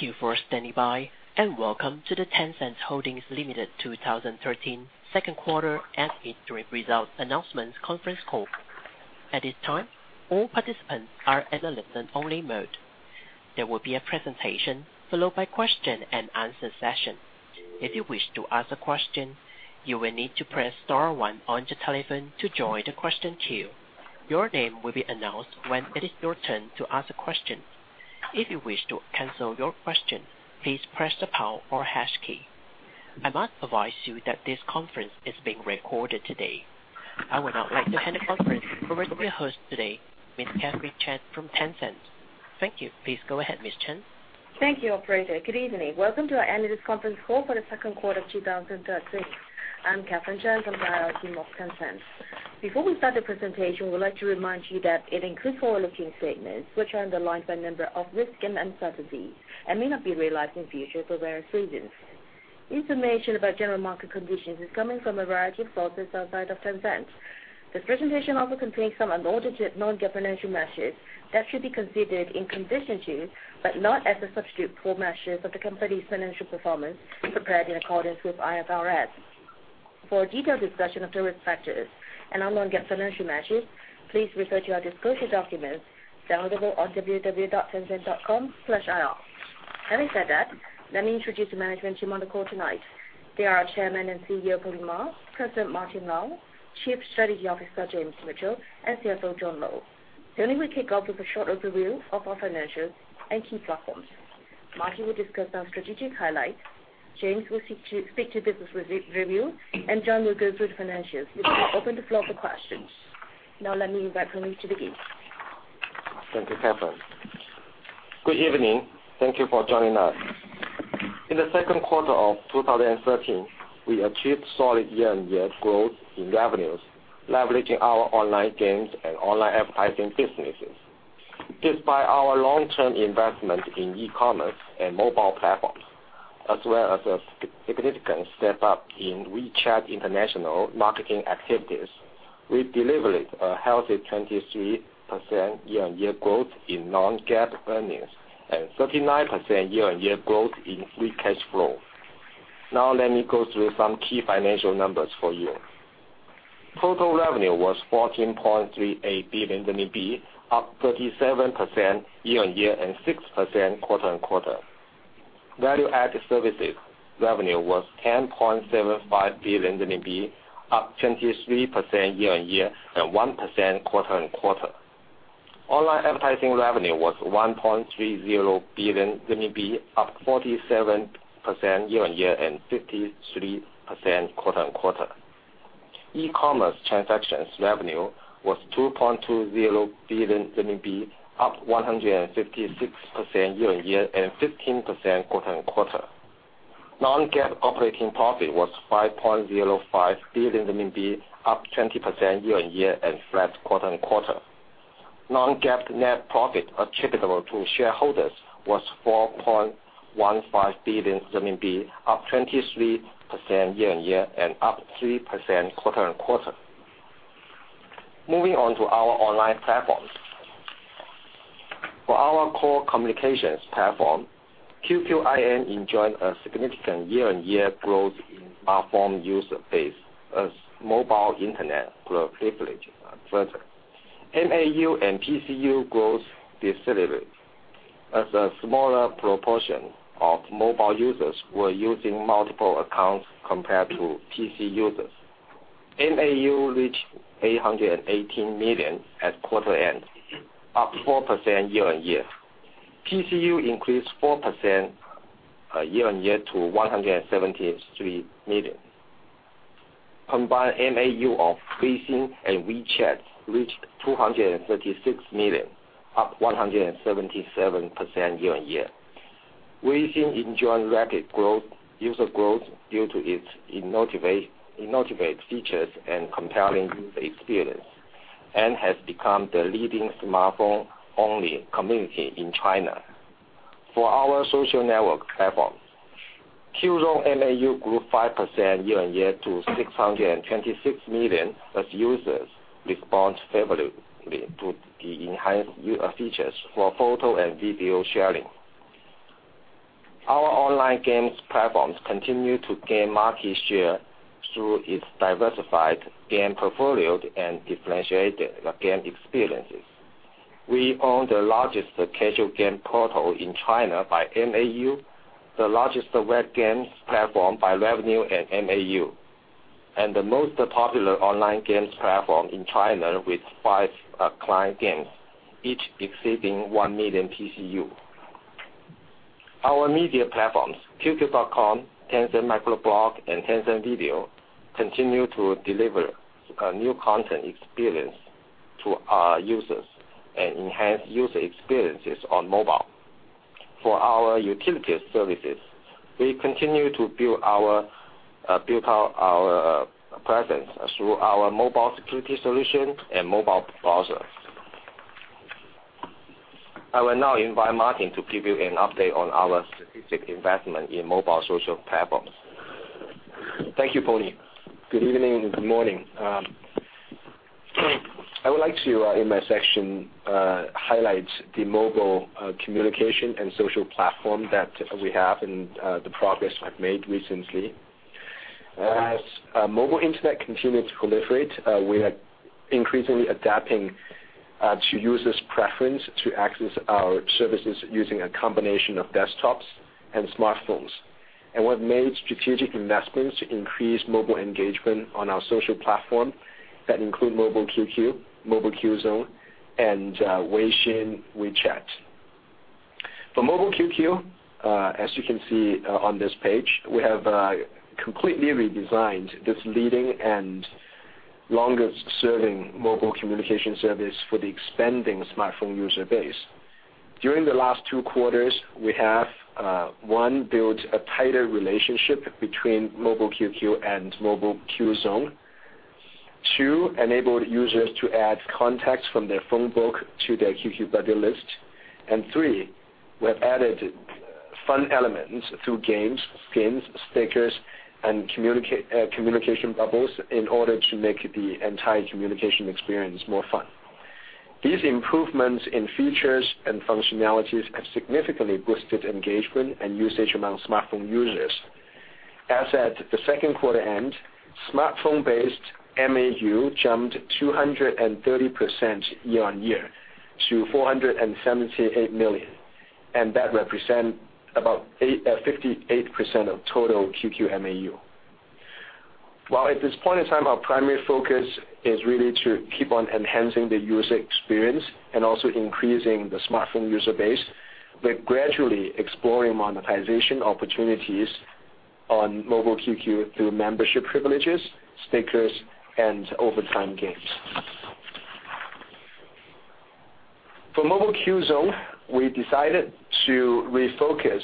Thank you for standing by, and welcome to the Tencent Holdings Limited 2013 second quarter and interim results announcement conference call. At this time, all participants are in a listen-only mode. There will be a presentation, followed by question and answer session. If you wish to ask a question, you will need to press star one on your telephone to join the question queue. Your name will be announced when it is your turn to ask a question. If you wish to cancel your question, please press the pound or hash key. I must advise you that this conference is being recorded today. I would now like to hand the conference over to the host today, Ms. Catherine Chan from Tencent. Thank you. Please go ahead, Ms. Chan. Thank you, operator. Good evening. Welcome to our analyst conference call for the second quarter of 2013. I'm Catherine Chan from IR team of Tencent. Before we start the presentation, we would like to remind you that it includes forward-looking statements, which are underlined by a number of risks and uncertainties, and may not be realized in future for various reasons. Information about general market conditions is coming from a variety of sources outside of Tencent. This presentation also contains some non-GAAP financial measures that should be considered in conjunction, but not as a substitute for measures of the company's financial performance prepared in accordance with IFRS. For a detailed discussion of the risk factors and non-GAAP financial measures, please refer to our disclosure documents downloadable on www.tencent.com/ir. Having said that, let me introduce the management team on the call tonight. They are our chairman and CEO, Pony Ma; president, Martin Lau; chief strategy officer, James Mitchell; and CFO, John Lo. Pony will kick off with a short overview of our financials and key platforms. Martin will discuss our strategic highlights, James will speak to business review, and John will go through the financials before we open the floor for questions. Now let me invite Pony to begin. Thank you, Catherine. Good evening. Thank you for joining us. In the second quarter of 2013, we achieved solid year-on-year growth in revenues, leveraging our online games and online advertising businesses. Despite our long-term investment in e-commerce and mobile platforms, as well as a significant step up in WeChat international marketing activities, we delivered a healthy 23% year-on-year growth in non-GAAP earnings and 39% year-on-year growth in free cash flow. Now let me go through some key financial numbers for you. Total revenue was 14.38 billion RMB, up 37% year-on-year and 6% quarter-on-quarter. Value-added services revenue was 10.75 billion RMB, up 23% year-on-year and 1% quarter-on-quarter. Online advertising revenue was 1.30 billion RMB, up 47% year-on-year and 53% quarter-on-quarter. E-commerce transactions revenue was 2.20 billion RMB, up 156% year-on-year and 15% quarter-on-quarter. Non-GAAP operating profit was 5.05 billion RMB, up 20% year-on-year and flat quarter-on-quarter. Non-GAAP net profit attributable to shareholders was 4.15 billion RMB, up 23% year-on-year and up 3% quarter-on-quarter. Moving on to our online platforms. For our core communications platform, QQ IM enjoyed a significant year-on-year growth in platform user base as mobile internet grew rapidly further. MAU and PCU growth decelerated as a smaller proportion of mobile users were using multiple accounts compared to PC users. MAU reached 818 million at quarter end, up 4% year-on-year. PCU increased 4% year-on-year to 173 million. Combined MAU of Weixin and WeChat reached 236 million, up 177% year-on-year. Weixin enjoyed rapid user growth due to its innovative features and compelling user experience and has become the leading smartphone-only community in China. For our social network platforms, Qzone MAU grew 5% year-on-year to 626 million as users respond favorably to the enhanced user features for photo and video sharing. Our online games platforms continue to gain market share through its diversified game portfolio and differentiated game experiences. We own the largest casual game portal in China by MAU, the largest web games platform by revenue and MAU, and the most popular online games platform in China with five client games, each exceeding 1 million PCU. Our media platforms, QQ.com, Tencent Weibo, and Tencent Video, continue to deliver a new content experience to our users and enhance user experiences on mobile. For our utilities services, we continue to build out our presence through our mobile security solution and mobile browser. I will now invite Martin to give you an update on our strategic investment in mobile social platforms. Thank you, Pony. Good evening and good morning I would like to, in my section, highlight the mobile communication and social platform that we have and the progress I've made recently. As mobile internet continue to proliferate, we are increasingly adapting to users preference to access our services using a combination of desktops and smartphones. We've made strategic investments to increase mobile engagement on our social platform that include Mobile QQ, Mobile QZone, and WeChat. For Mobile QQ, as you can see on this page, we have completely redesigned this leading and longest-serving mobile communication service for the expanding smartphone user base. During the last two quarters, we have, one, built a tighter relationship between Mobile QQ and Mobile QZone. Two, enabled users to add contacts from their phone book to their QQ buddy list. Three, we have added fun elements through games, skins, stickers, and communication bubbles in order to make the entire communication experience more fun. These improvements in features and functionalities have significantly boosted engagement and usage among smartphone users. As at the 2Q end, smartphone-based MAU jumped 230% year-on-year to 478 million, that represent about 58% of total QQ MAU. While at this point in time, our primary focus is really to keep on enhancing the user experience and also increasing the smartphone user base, we are gradually exploring monetization opportunities on Mobile QQ through membership privileges, stickers, and over time, games. For Mobile QZone, we decided to refocus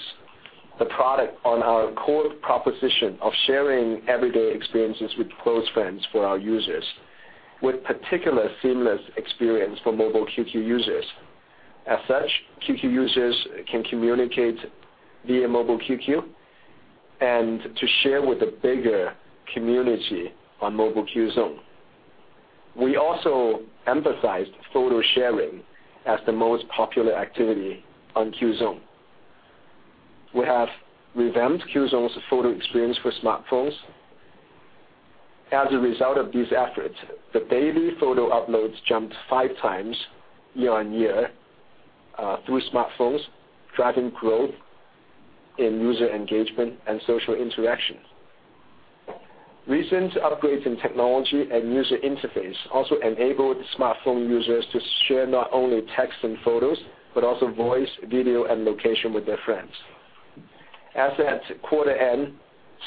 the product on our core proposition of sharing everyday experiences with close friends for our users, with particular seamless experience for Mobile QQ users. QQ users can communicate via Mobile QQ and to share with the bigger community on Mobile QZone. We also emphasized photo sharing as the most popular activity on QZone. We have revamped QZone's photo experience for smartphones. As a result of these efforts, the daily photo uploads jumped five times year-on-year through smartphones, driving growth in user engagement and social interaction. Recent upgrades in technology and user interface also enabled smartphone users to share not only text and photos, but also voice, video, and location with their friends. As at quarter end,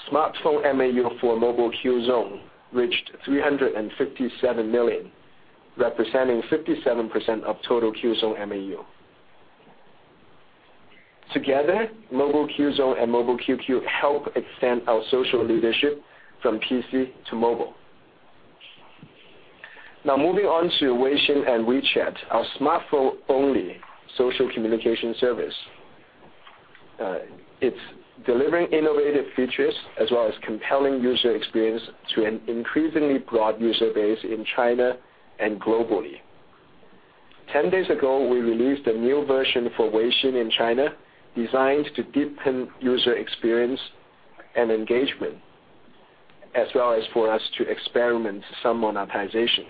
smartphone MAU for Mobile QZone reached 357 million, representing 57% of total QZone MAU. Together, Mobile QZone and Mobile QQ help extend our social leadership from PC to mobile. Now moving on to WeChat, our smartphone-only social communication service. It's delivering innovative features as well as compelling user experience to an increasingly broad user base in China and globally. Ten days ago, we released a new version for WeChat in China designed to deepen user experience and engagement, as well as for us to experiment some monetization.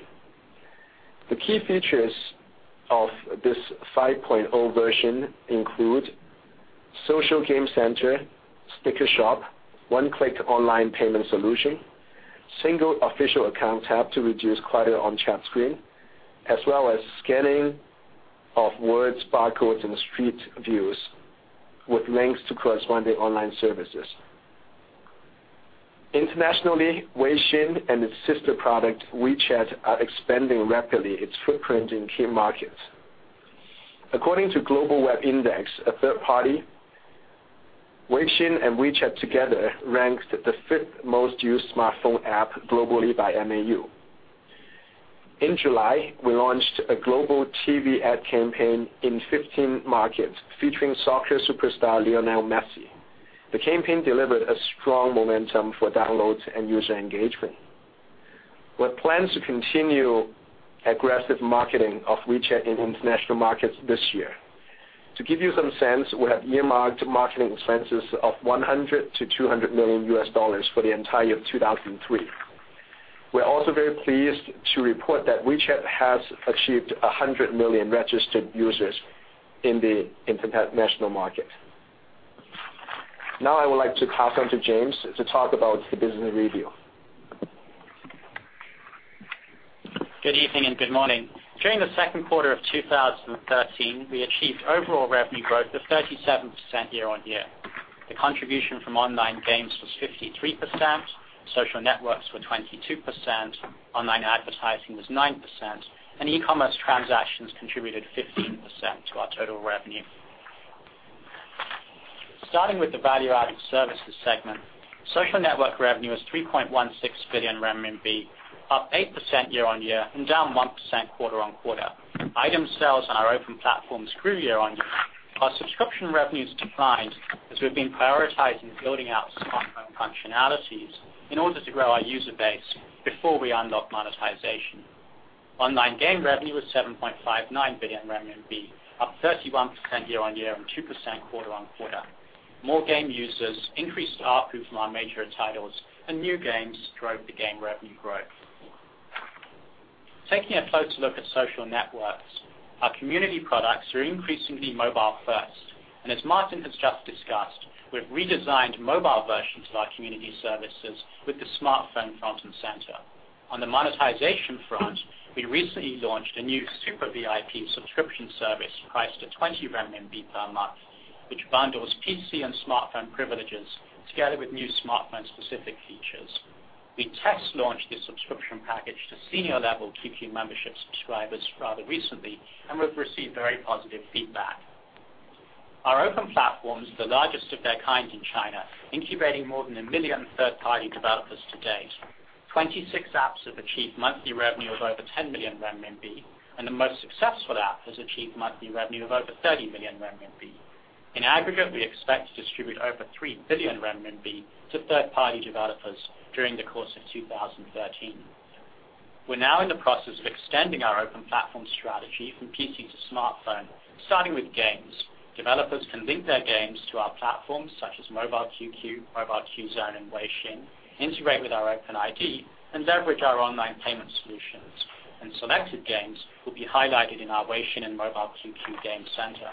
The key features of the 5.0 version include social game center, sticker shop, one-click online payment solution, single official account tab to reduce clutter on chat screen, as well as scanning of words, barcodes, and street views with links to corresponding online services. Internationally, WeChat and its sister product, Weixin, are expanding rapidly its footprint in key markets. According to GlobalWebIndex, a third-party, WeChat and Weixin together ranked the fifth most used smartphone app globally by MAU. In July, we launched a global TV ad campaign in 15 markets featuring soccer superstar Lionel Messi. The campaign delivered a strong momentum for downloads and user engagement. We plan to continue aggressive marketing of WeChat in international markets this year. To give you some sense, we have earmarked marketing expenses of $100 million to $200 million for the entire 2013. We are also very pleased to report that WeChat has achieved 100 million registered users in the international market. Now I would like to pass on to James to talk about the business review. Good evening, and good morning. During the second quarter of 2013, we achieved overall revenue growth of 37% year-on-year. The contribution from online games was 53%, social networks were 22%, online advertising was 9%, and e-commerce transactions contributed 15% to our total revenue. Starting with the value-added services segment, social network revenue was 3.16 billion RMB, up 8% year-on-year and down 1% quarter-on-quarter. Item sales on our open platforms grew year-on-year. Our subscription revenues declined as we've been prioritizing building out smartphone functionalities in order to grow our user base before we unlock monetization. Online game revenue was 7.59 billion RMB, up 31% year-on-year and 2% quarter-on-quarter. More game users increased ARPU from our major titles and new games drove the game revenue growth. Taking a closer look at social networks, our community products are increasingly mobile first, and as Martin has just discussed, we've redesigned mobile versions of our community services with the smartphone front and center. On the monetization front, we recently launched a new Super VIP subscription service priced at 20 renminbi per month, which bundles PC and smartphone privileges together with new smartphone specific features. We test launched this subscription package to senior level QQ membership subscribers rather recently and we've received very positive feedback. Our open platform is the largest of their kind in China, incubating more than a million third-party developers to date. 26 apps have achieved monthly revenue of over 10 million renminbi, and the most successful app has achieved monthly revenue of over 30 million renminbi. In aggregate, we expect to distribute over 3 billion renminbi to third-party developers during the course of 2013. We're now in the process of extending our open platform strategy from PC to smartphone. Starting with games, developers can link their games to our platforms such as Mobile QQ, Mobile QZone, and Weixin, integrate with our OpenID, and leverage our online payment solutions, and selected games will be highlighted in our Weixin and Mobile QQ game center.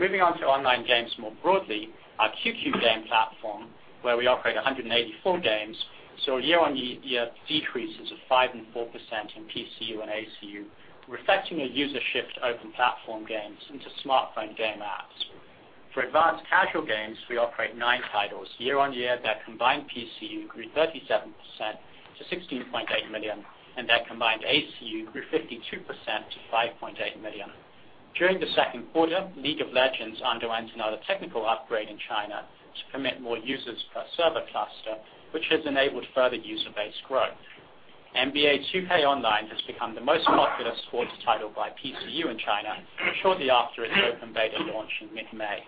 Moving on to online games more broadly, our QQ Game Platform, where we operate 184 games, saw year-on-year decreases of 5% and 4% in PCU and ACU, reflecting a user shift to open platform games into smartphone game apps. For advanced casual games, we operate nine titles. Year-on-year, their combined PCU grew 37% to 16.8 million, and their combined ACU grew 52% to 5.8 million. During the second quarter, League of Legends underwent another technical upgrade in China to permit more users per server cluster, which has enabled further user base growth. NBA 2K Online has become the most popular sports title by PCU in China shortly after its open beta launch in mid-May.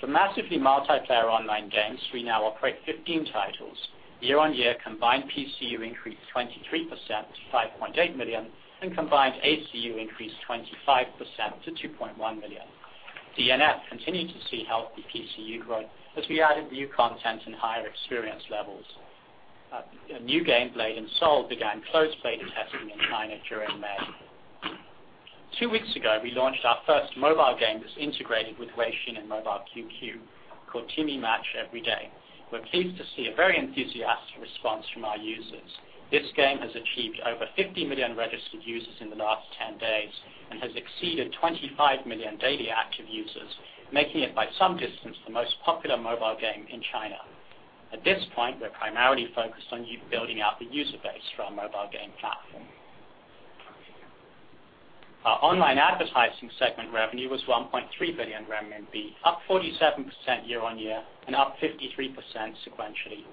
For massively multiplayer online games, we now operate 15 titles. Year-on-year, combined PCU increased 23% to 5.8 million and combined ACU increased 25% to 2.1 million. DNF continued to see healthy PCU growth as we added new content and higher experience levels. A new game, Blade and Soul, began closed beta testing in China during May. Two weeks ago, we launched our first mobile game that's integrated with Weixin and Mobile QQ called Timi Match Every Day. We're pleased to see a very enthusiastic response from our users. This game has achieved over 50 million registered users in the last 10 days and has exceeded 25 million daily active users, making it by some distance, the most popular mobile game in China. At this point, we're primarily focused on building out the user base for our mobile game platform. Our online advertising segment revenue was 1.3 billion renminbi, up 47% year-over-year and up 53% sequentially.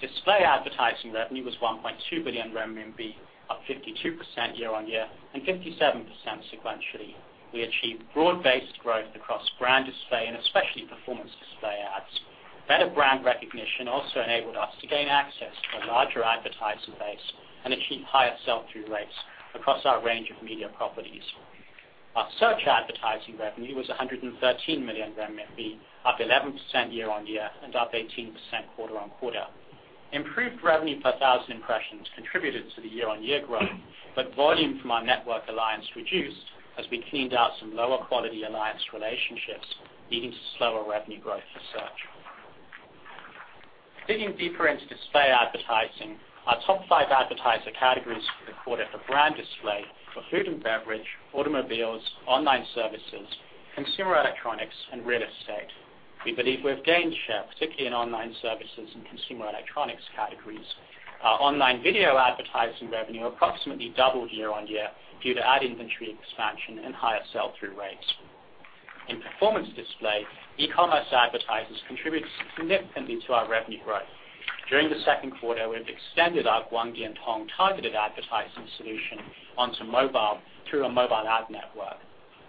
Display advertising revenue was 1.2 billion RMB, up 52% year-over-year and 57% sequentially. We achieved broad-based growth across brand display and especially performance display ads. Better brand recognition also enabled us to gain access to a larger advertising base and achieve higher sell-through rates across our range of media properties. Our search advertising revenue was 113 million RMB, up 11% year-over-year and up 18% quarter-over-quarter. Improved revenue per thousand impressions contributed to the year-over-year growth, volume from our network alliance reduced as we cleaned out some lower quality alliance relationships, leading to slower revenue growth for search. Digging deeper into display advertising, our top 5 advertiser categories for the quarter for brand display were food and beverage, automobiles, online services, consumer electronics, and real estate. We believe we've gained share, particularly in online services and consumer electronics categories. Our online video advertising revenue approximately doubled year-over-year due to ad inventory expansion and higher sell-through rates. In performance display, eCommerce advertisers contributed significantly to our revenue growth. During the second quarter, we've extended our Guangdiantong targeted advertising solution onto mobile through our mobile ad network.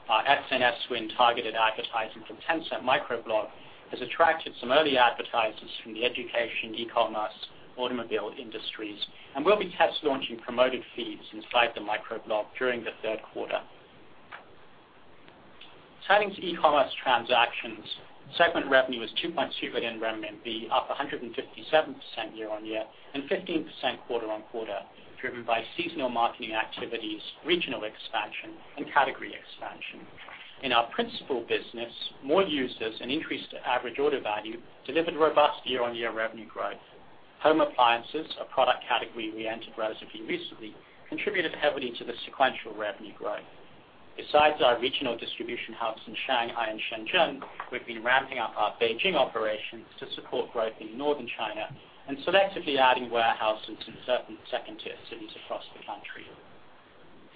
Our SNS Wind targeted advertising from Tencent Weibo has attracted some early advertisers from the education, eCommerce, automobile industries, and we'll be test launching promoted feeds inside the microblog during the third quarter. Turning to eCommerce transactions, segment revenue was 2.2 billion renminbi, up 157% year-over-year and 15% quarter-over-quarter, driven by seasonal marketing activities, regional expansion, and category expansion. In our principal business, more users and increased average order value delivered robust year-over-year revenue growth. Home appliances, a product category we entered relatively recently, contributed heavily to the sequential revenue growth. Besides our regional distribution hubs in Shanghai and Shenzhen, we've been ramping up our Beijing operations to support growth in Northern China and selectively adding warehouses in certain second-tier cities across the country.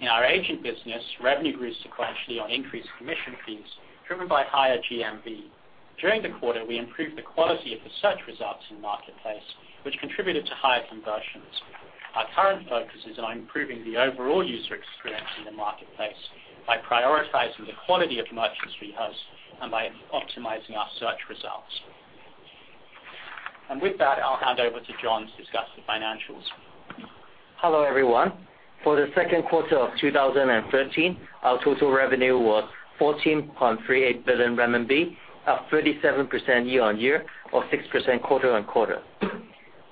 In our agent business, revenue grew sequentially on increased commission fees driven by higher GMV. During the quarter, we improved the quality of the search results in Marketplace, which contributed to higher conversions. Our current focus is on improving the overall user experience in the Marketplace by prioritizing the quality of merchants we host and by optimizing our search results. With that, I'll hand over to John to discuss the financials. Hello, everyone. For the second quarter of 2013, our total revenue was 14.38 billion RMB, up 37% year-on-year or 6% quarter-on-quarter.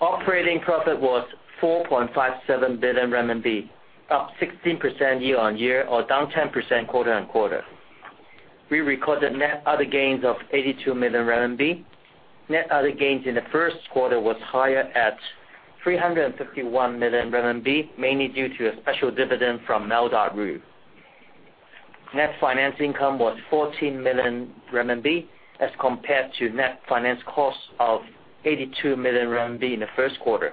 Operating profit was 4.57 billion RMB, up 16% year-on-year or down 10% quarter-on-quarter. We recorded net other gains of 82 million RMB. Net other gains in the first quarter was higher at 351 million RMB, mainly due to a special dividend from Mail.ru. Net finance income was 14 million RMB as compared to net finance costs of 82 million RMB in the first quarter.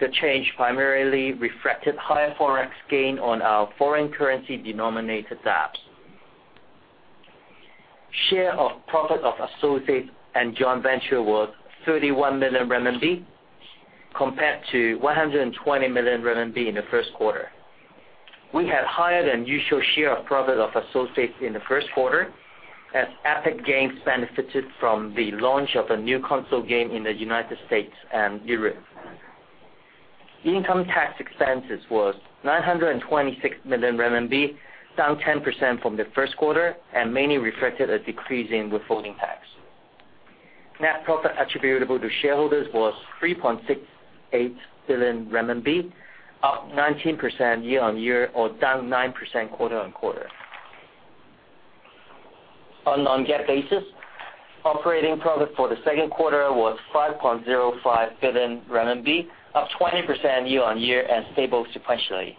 The change primarily reflected higher forex gain on our foreign currency denominated debts. Share of profit of associates and joint venture was 31 million RMB compared to 120 million RMB in the first quarter. We had higher than usual share of profit of associates in the first quarter as Epic Games benefited from the launch of a new console game in the U.S. and Europe. Income tax expenses was 926 million RMB, down 10% from the first quarter and mainly reflected a decrease in withholding tax. Net profit attributable to shareholders was 3.68 billion renminbi, up 19% year-on-year or down 9% quarter-on-quarter. On non-GAAP basis, operating profit for the second quarter was 5.05 billion RMB, up 20% year-on-year and stable sequentially.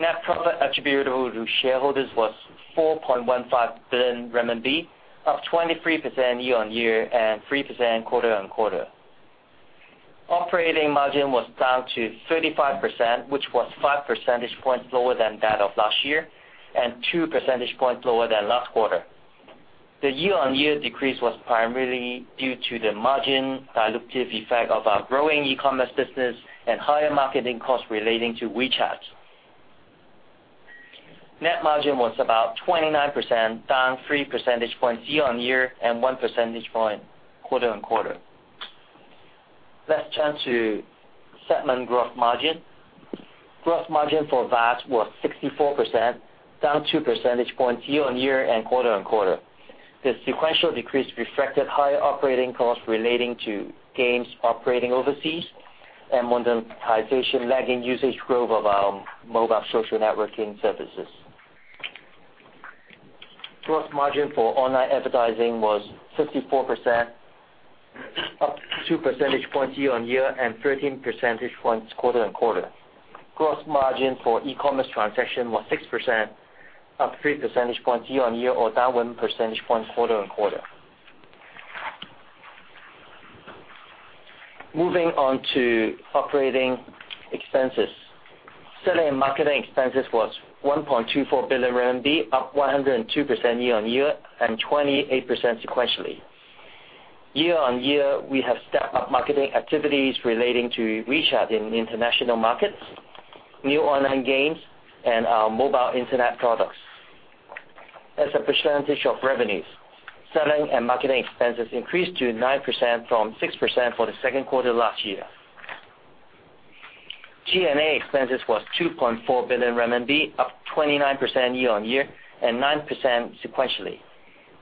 Net profit attributable to shareholders was 4.15 billion RMB, up 23% year-on-year and 3% quarter-on-quarter. Operating margin was down to 35%, which was five percentage points lower than that of last year and two percentage points lower than last quarter. The year-on-year decrease was primarily due to the margin dilutive effect of our growing e-commerce business and higher marketing costs relating to WeChat. Net margin was about 29%, down 3 percentage points year-on-year and one percentage point quarter-on-quarter. Let's turn to segment growth margin. Growth margin for that was 64%, down two percentage points year-on-year and quarter-on-quarter. The sequential decrease reflected higher operating costs relating to games operating overseas and monetization lagging usage growth of our mobile social networking services. Gross margin for online advertising was 54%, up two percentage points year-on-year and 13 percentage points quarter-on-quarter. Gross margin for e-commerce transaction was 6%, up three percentage points year-on-year or down one percentage point quarter-on-quarter. Moving on to operating expenses. Selling and marketing expenses was 1.24 billion RMB, up 102% year-on-year and 28% sequentially. Year-on-year, we have stepped up marketing activities relating to WeChat in international markets, new online games, and our mobile internet products. As a percentage of revenues, selling and marketing expenses increased to 9% from 6% for the second quarter last year. G&A expenses was 2.4 billion RMB, up 29% year-on-year and 9% sequentially.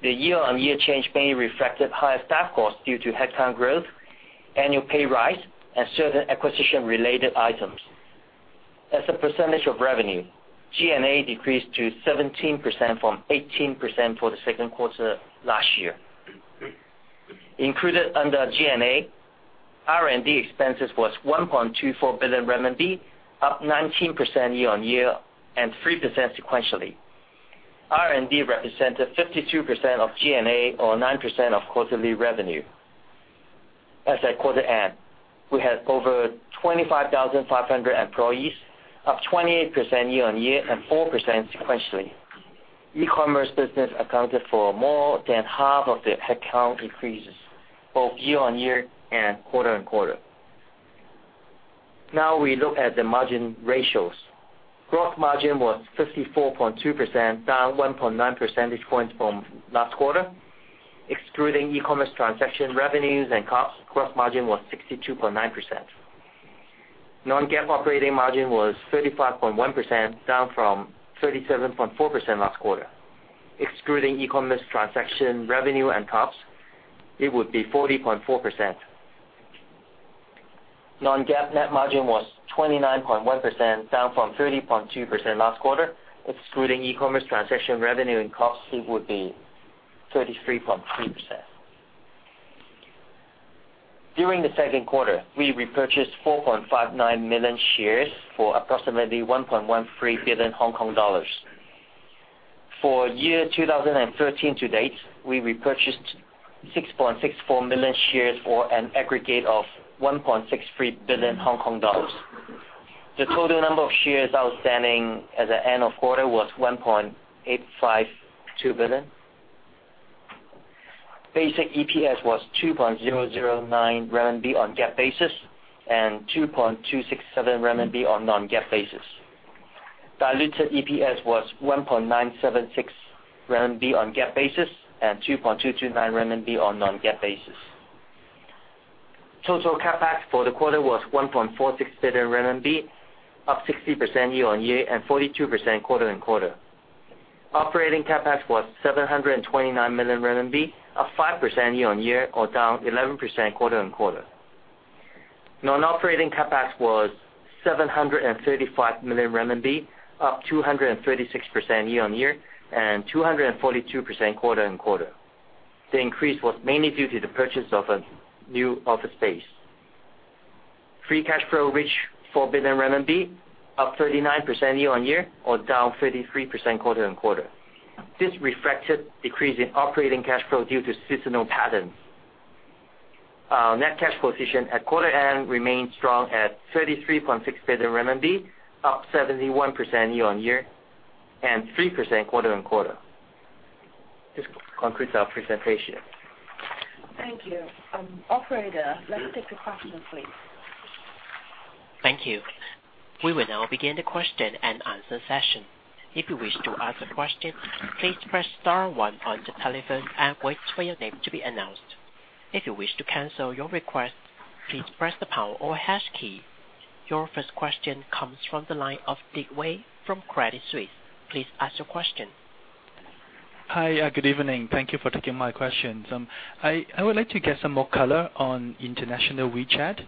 The year-on-year change mainly reflected higher staff costs due to headcount growth, annual pay rise, and certain acquisition related items. As a percentage of revenue, G&A decreased to 17% from 18% for the second quarter last year. Included under G&A, R&D expenses was 1.24 billion RMB, up 19% year-on-year and 3% sequentially. R&D represented 52% of G&A or 9% of quarterly revenue. As at quarter end, we had over 25,500 employees, up 28% year-on-year and 4% sequentially. E-commerce business accounted for more than half of the headcount increases, both year-on-year and quarter-on-quarter. Now we look at the margin ratios. Gross margin was 54.2%, down 1.9 percentage points from last quarter. Excluding e-commerce transaction revenues and costs, gross margin was 62.9%. Non-GAAP operating margin was 35.1%, down from 37.4% last quarter. Excluding e-commerce transaction revenue and costs, it would be 40.4%. Non-GAAP net margin was 29.1%, down from 30.2% last quarter. Excluding e-commerce transaction revenue and costs, it would be 33.3%. During the second quarter, we repurchased 4.59 million shares for approximately 1.13 billion Hong Kong dollars. For year 2013 to date, we repurchased 6.64 million shares for an aggregate of 1.63 billion Hong Kong dollars. The total number of shares outstanding at the end of quarter was 1.852 billion. Basic EPS was 2.009 RMB on GAAP basis and 2.267 RMB on non-GAAP basis. Diluted EPS was 1.976 RMB on GAAP basis and 2.229 RMB on non-GAAP basis. Total CapEx for the quarter was 1.46 billion RMB, up 60% year-on-year and 42% quarter-on-quarter. Operating CapEx was 729 million RMB, up 5% year-on-year or down 11% quarter-on-quarter. Non-operating CapEx was 735 million renminbi, up 236% year-on-year and 242% quarter-on-quarter. The increase was mainly due to the purchase of a new office space. Free cash flow reached CNY 4 billion, up 39% year-on-year or down 33% quarter-on-quarter. This reflected decrease in operating cash flow due to seasonal patterns. Our net cash position at quarter end remained strong at 33.6 billion RMB, up 71% year-on-year and 3% quarter-on-quarter. This concludes our presentation. Thank you. Operator, let's take the questions, please. Thank you. We will now begin the question-and-answer session. If you wish to ask a question, please press star one on the telephone and wait for your name to be announced. If you wish to cancel your request, please press the pound or hash key. Your first question comes from the line of Dick Wei from Credit Suisse. Please ask your question. Hi. Good evening. Thank you for taking my questions. I would like to get some more color on international WeChat.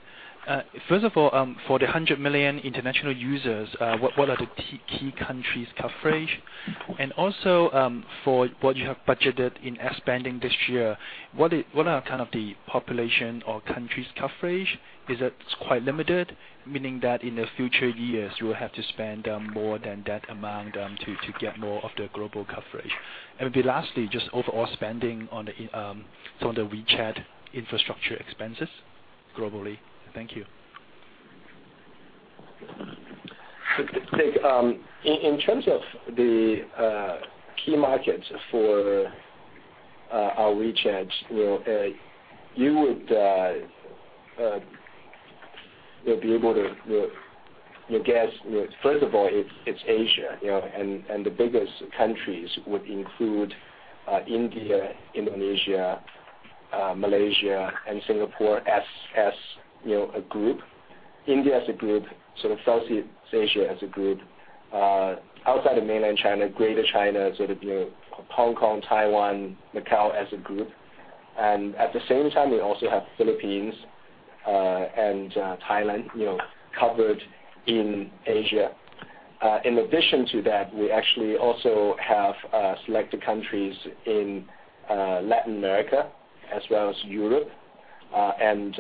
First of all, for the 100 million international users, what are the key countries coverage? Also, for what you have budgeted in expanding this year, what are the population or countries coverage? Is it quite limited, meaning that in the future years you will have to spend more than that amount to get more of the global coverage? Lastly, just overall spending on the WeChat infrastructure expenses globally. Thank you. Dick, in terms of the key markets for our WeChat, you would be able to guess. First of all, it's Asia, the biggest countries would include India, Indonesia, Malaysia, and Singapore as a group. India as a group, Southeast Asia as a group, outside of Mainland China, Greater China, Hong Kong, Taiwan, Macau as a group. At the same time, we also have Philippines and Thailand covered in Asia. In addition to that, we actually also have selected countries in Latin America as well as Europe, and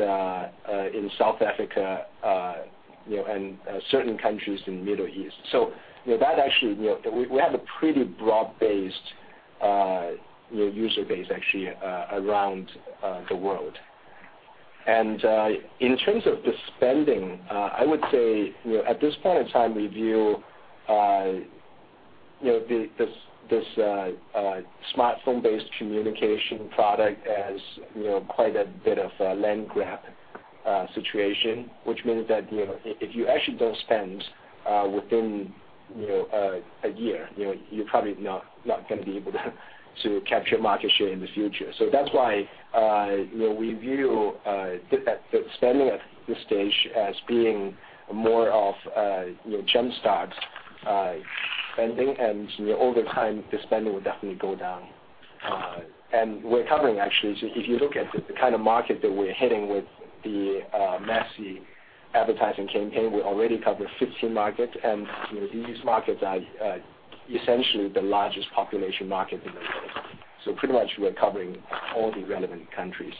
in South Africa, and certain countries in Middle East. We have a pretty broad-based user base actually around the world. In terms of the spending, I would say at this point in time, we view this smartphone-based communication product as quite a bit of a land grab situation, which means that if you actually don't spend within a year, you're probably not going to be able to capture market share in the future. That's why we view the spending at this stage as being more of a jumpstart spending, and over time, the spending will definitely go down. We're covering actually, if you look at the kind of market that we're hitting with the massive advertising campaign, we already cover 15 markets, and these markets are essentially the largest population market in the world. Pretty much we're covering all the relevant countries.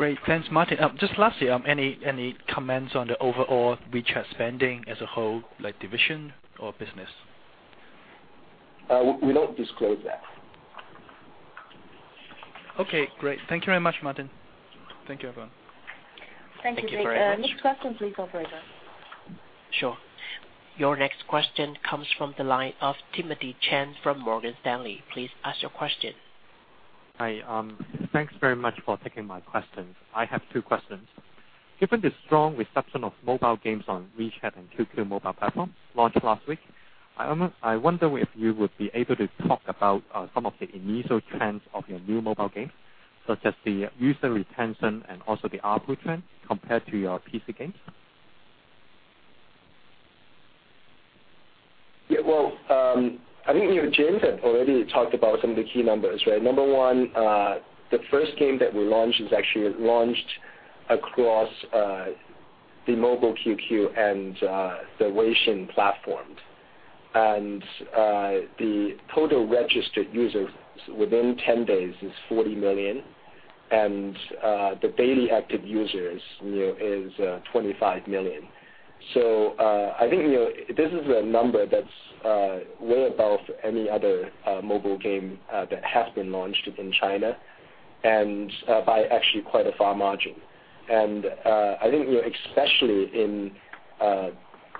Great. Thanks, Martin. Just lastly, any comments on the overall WeChat spending as a whole, like division or business? We don't disclose that. Okay, great. Thank you very much, Martin. Thank you, everyone. Thank you very much. Thank you, Dick. Next question please, operator. Sure. Your next question comes from the line of Timothy Chen from Morgan Stanley. Please ask your question. Hi. Thanks very much for taking my questions. I have two questions. Given the strong reception of mobile games on WeChat and QQ mobile platforms launched last week, I wonder if you would be able to talk about some of the initial trends of your new mobile games, such as the user retention and also the output trend compared to your PC games. Yeah. Well, I think James had already talked about some of the key numbers, right? Number one, the first game that we launched is actually launched across the Mobile QQ and the Weixin platforms. The total registered users within 10 days is 40 million, and the daily active users is 25 million. I think this is a number that's way above any other mobile game that has been launched in China, and by actually quite a far margin. I think especially in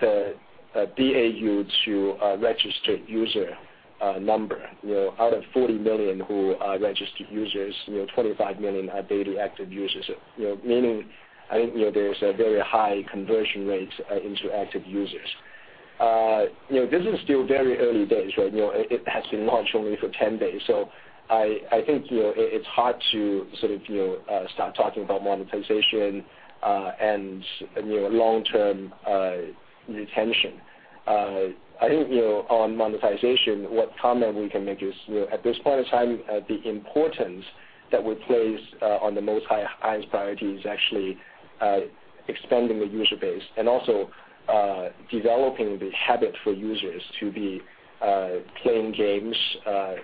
the DAU to registered user number, out of 40 million who are registered users, 25 million are daily active users. Meaning, I think there is a very high conversion rate into active users. This is still very early days. It has been launched only for 10 days, so I think it's hard to sort of start talking about monetization and long-term retention. I think on monetization, what comment we can make is, at this point of time, the importance that we place on the most highest priority is actually expanding the user base and also developing the habit for users to be playing games,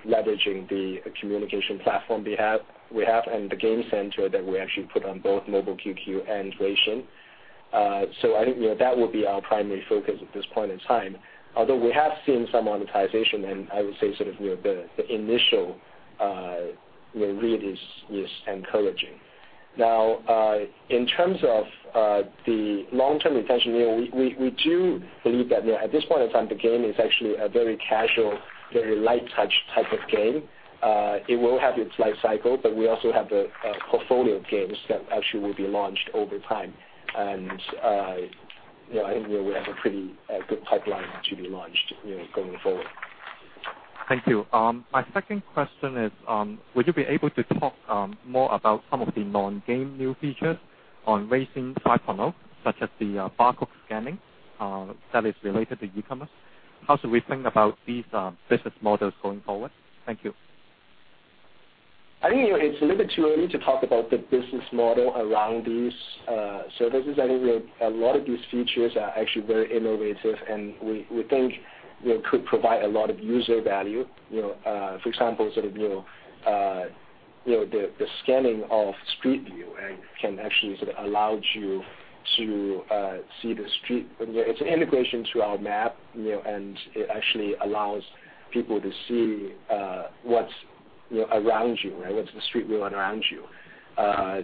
leveraging the communication platform we have and the game center that we actually put on both Mobile QQ and Weixin. I think that will be our primary focus at this point in time. Although we have seen some monetization, and I would say sort of the initial read is encouraging. Now, in terms of the long-term retention, we do believe that at this point in time, the game is actually a very casual, very light-touch type of game. It will have its life cycle, but we also have a portfolio of games that actually will be launched over time. I think we have a pretty good pipeline to be launched going forward. Thank you. My second question is, would you be able to talk more about some of the non-game new features on Weixin 5.0, such as the barcode scanning that is related to e-commerce? How should we think about these business models going forward? Thank you. I think it's a little bit too early to talk about the business model around these services. I think a lot of these features are actually very innovative, and we think could provide a lot of user value. For example, the scanning of Street View can actually sort of allows you to see the street. It's an integration to our map, and it actually allows people to see what's around you. What's the street view around you? I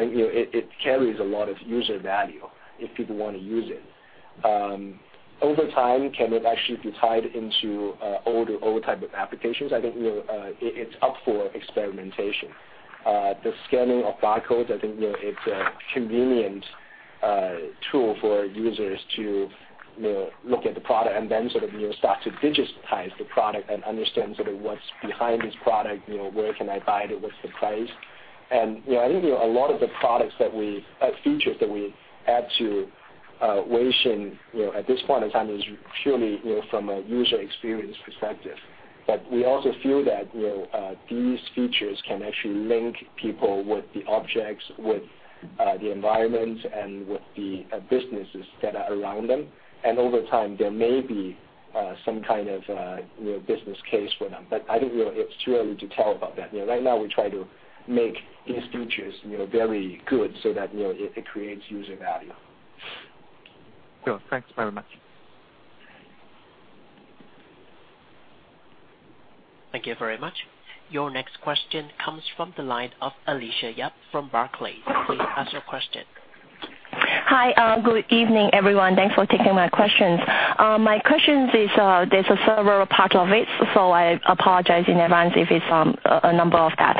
think it carries a lot of user value if people want to use it. Over time, can it actually be tied into all the type of applications? I think it's up for experimentation. The scanning of barcodes, I think it's a convenient tool for users to look at the product and then sort of start to digitize the product and understand sort of what's behind this product, where can I buy it, what's the price. I think a lot of the features that we add to Weixin at this point in time is purely from a user experience perspective. We also feel that these features can actually link people with the objects, with the environment, and with the businesses that are around them. Over time, there may be some kind of business case for them, but I think it's too early to tell about that. Right now, we try to make these features very good so that it creates user value. Sure. Thanks very much. Thank you very much. Your next question comes from the line of Alicia Yap from Barclays. Please ask your question. Hi. Good evening, everyone. Thanks for taking my questions. My questions, there's a several part of it, I apologize in advance if it's a number of that.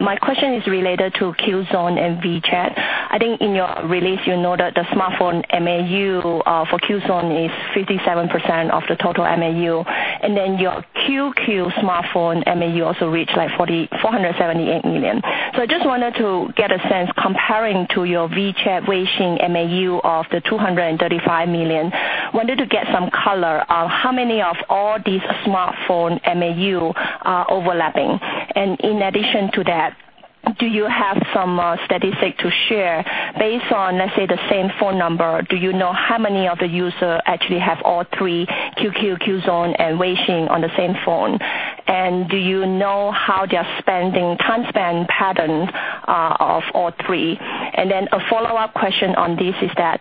My question is related to QZone and WeChat. I think in your release, you know that the smartphone MAU for QZone is 57% of the total MAU, and then your QQ smartphone MAU also reached like 478 million. I just wanted to get a sense comparing to your WeChat Weixin MAU of the 235 million. Wanted to get some color on how many of all these smartphone MAU are overlapping. In addition to that, do you have some statistic to share based on, let's say, the same phone number? Do you know how many of the user actually have all three, QQ, QZone, and Weixin on the same phone? Do you know how they are spending time spend pattern of all three? A follow-up question on this is that,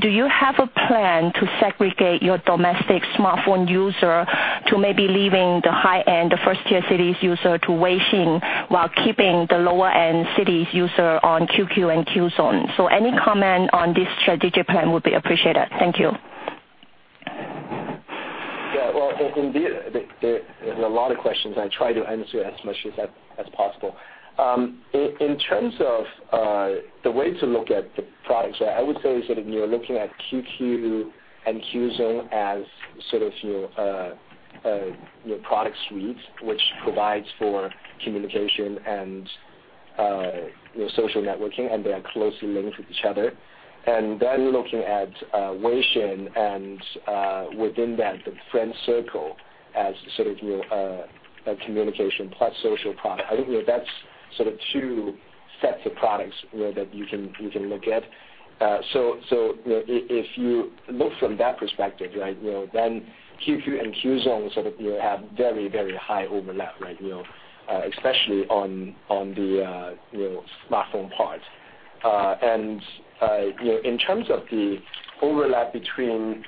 do you have a plan to segregate your domestic smartphone user to maybe leaving the high-end, the first-tier cities user to Weixin while keeping the lower-end cities user on QQ and QZone? Any comment on this strategic plan would be appreciated. Thank you. Well, there's a lot of questions, and I try to answer as much as possible. In terms of the way to look at the products, I would say sort of looking at QQ and QZone as sort of your product suites, which provides for communication and social networking, and they are closely linked with each other. Looking at Weixin and within that, the friend circle as sort of a communication plus social product. I think that's sort of two sets of products that you can look at. If you look from that perspective, then QQ and QZone sort of have very, very high overlap, especially on the smartphone part. In terms of the overlap between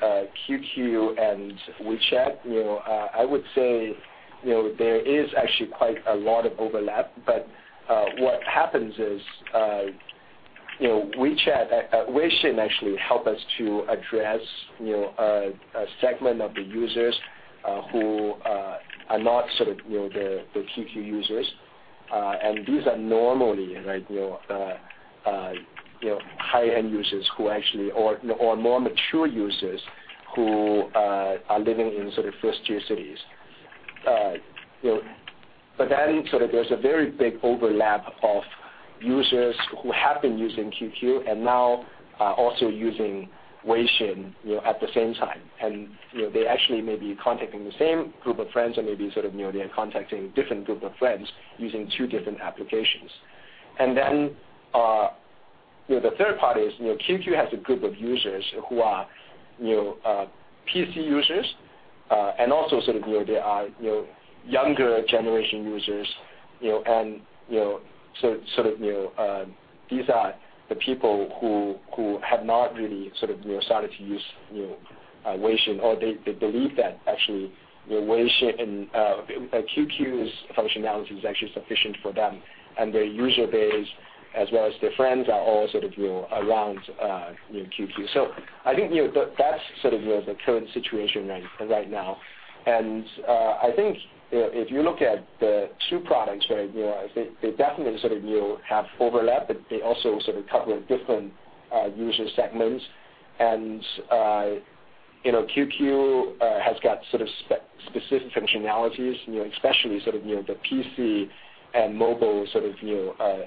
QQ and WeChat, I would say there is actually quite a lot of overlap. What happens is WeChat, Weixin actually help us to address a segment of the users who are not the QQ users. These are normally high-end users or more mature users who are living in first-tier cities. There's a very big overlap of users who have been using QQ and now are also using Weixin at the same time. They actually may be contacting the same group of friends or maybe they are contacting different group of friends using two different applications. The third part is QQ has a group of users who are PC users, and also they are younger generation users, and these are the people who have not really started to use Weixin, or they believe that actually QQ's functionality is actually sufficient for them, and their user base as well as their friends are all sort of around QQ. I think that's the current situation right now. I think if you look at the two products, they definitely have overlap, but they also sort of cover different user segments. QQ has got specific functionalities, especially the PC and mobile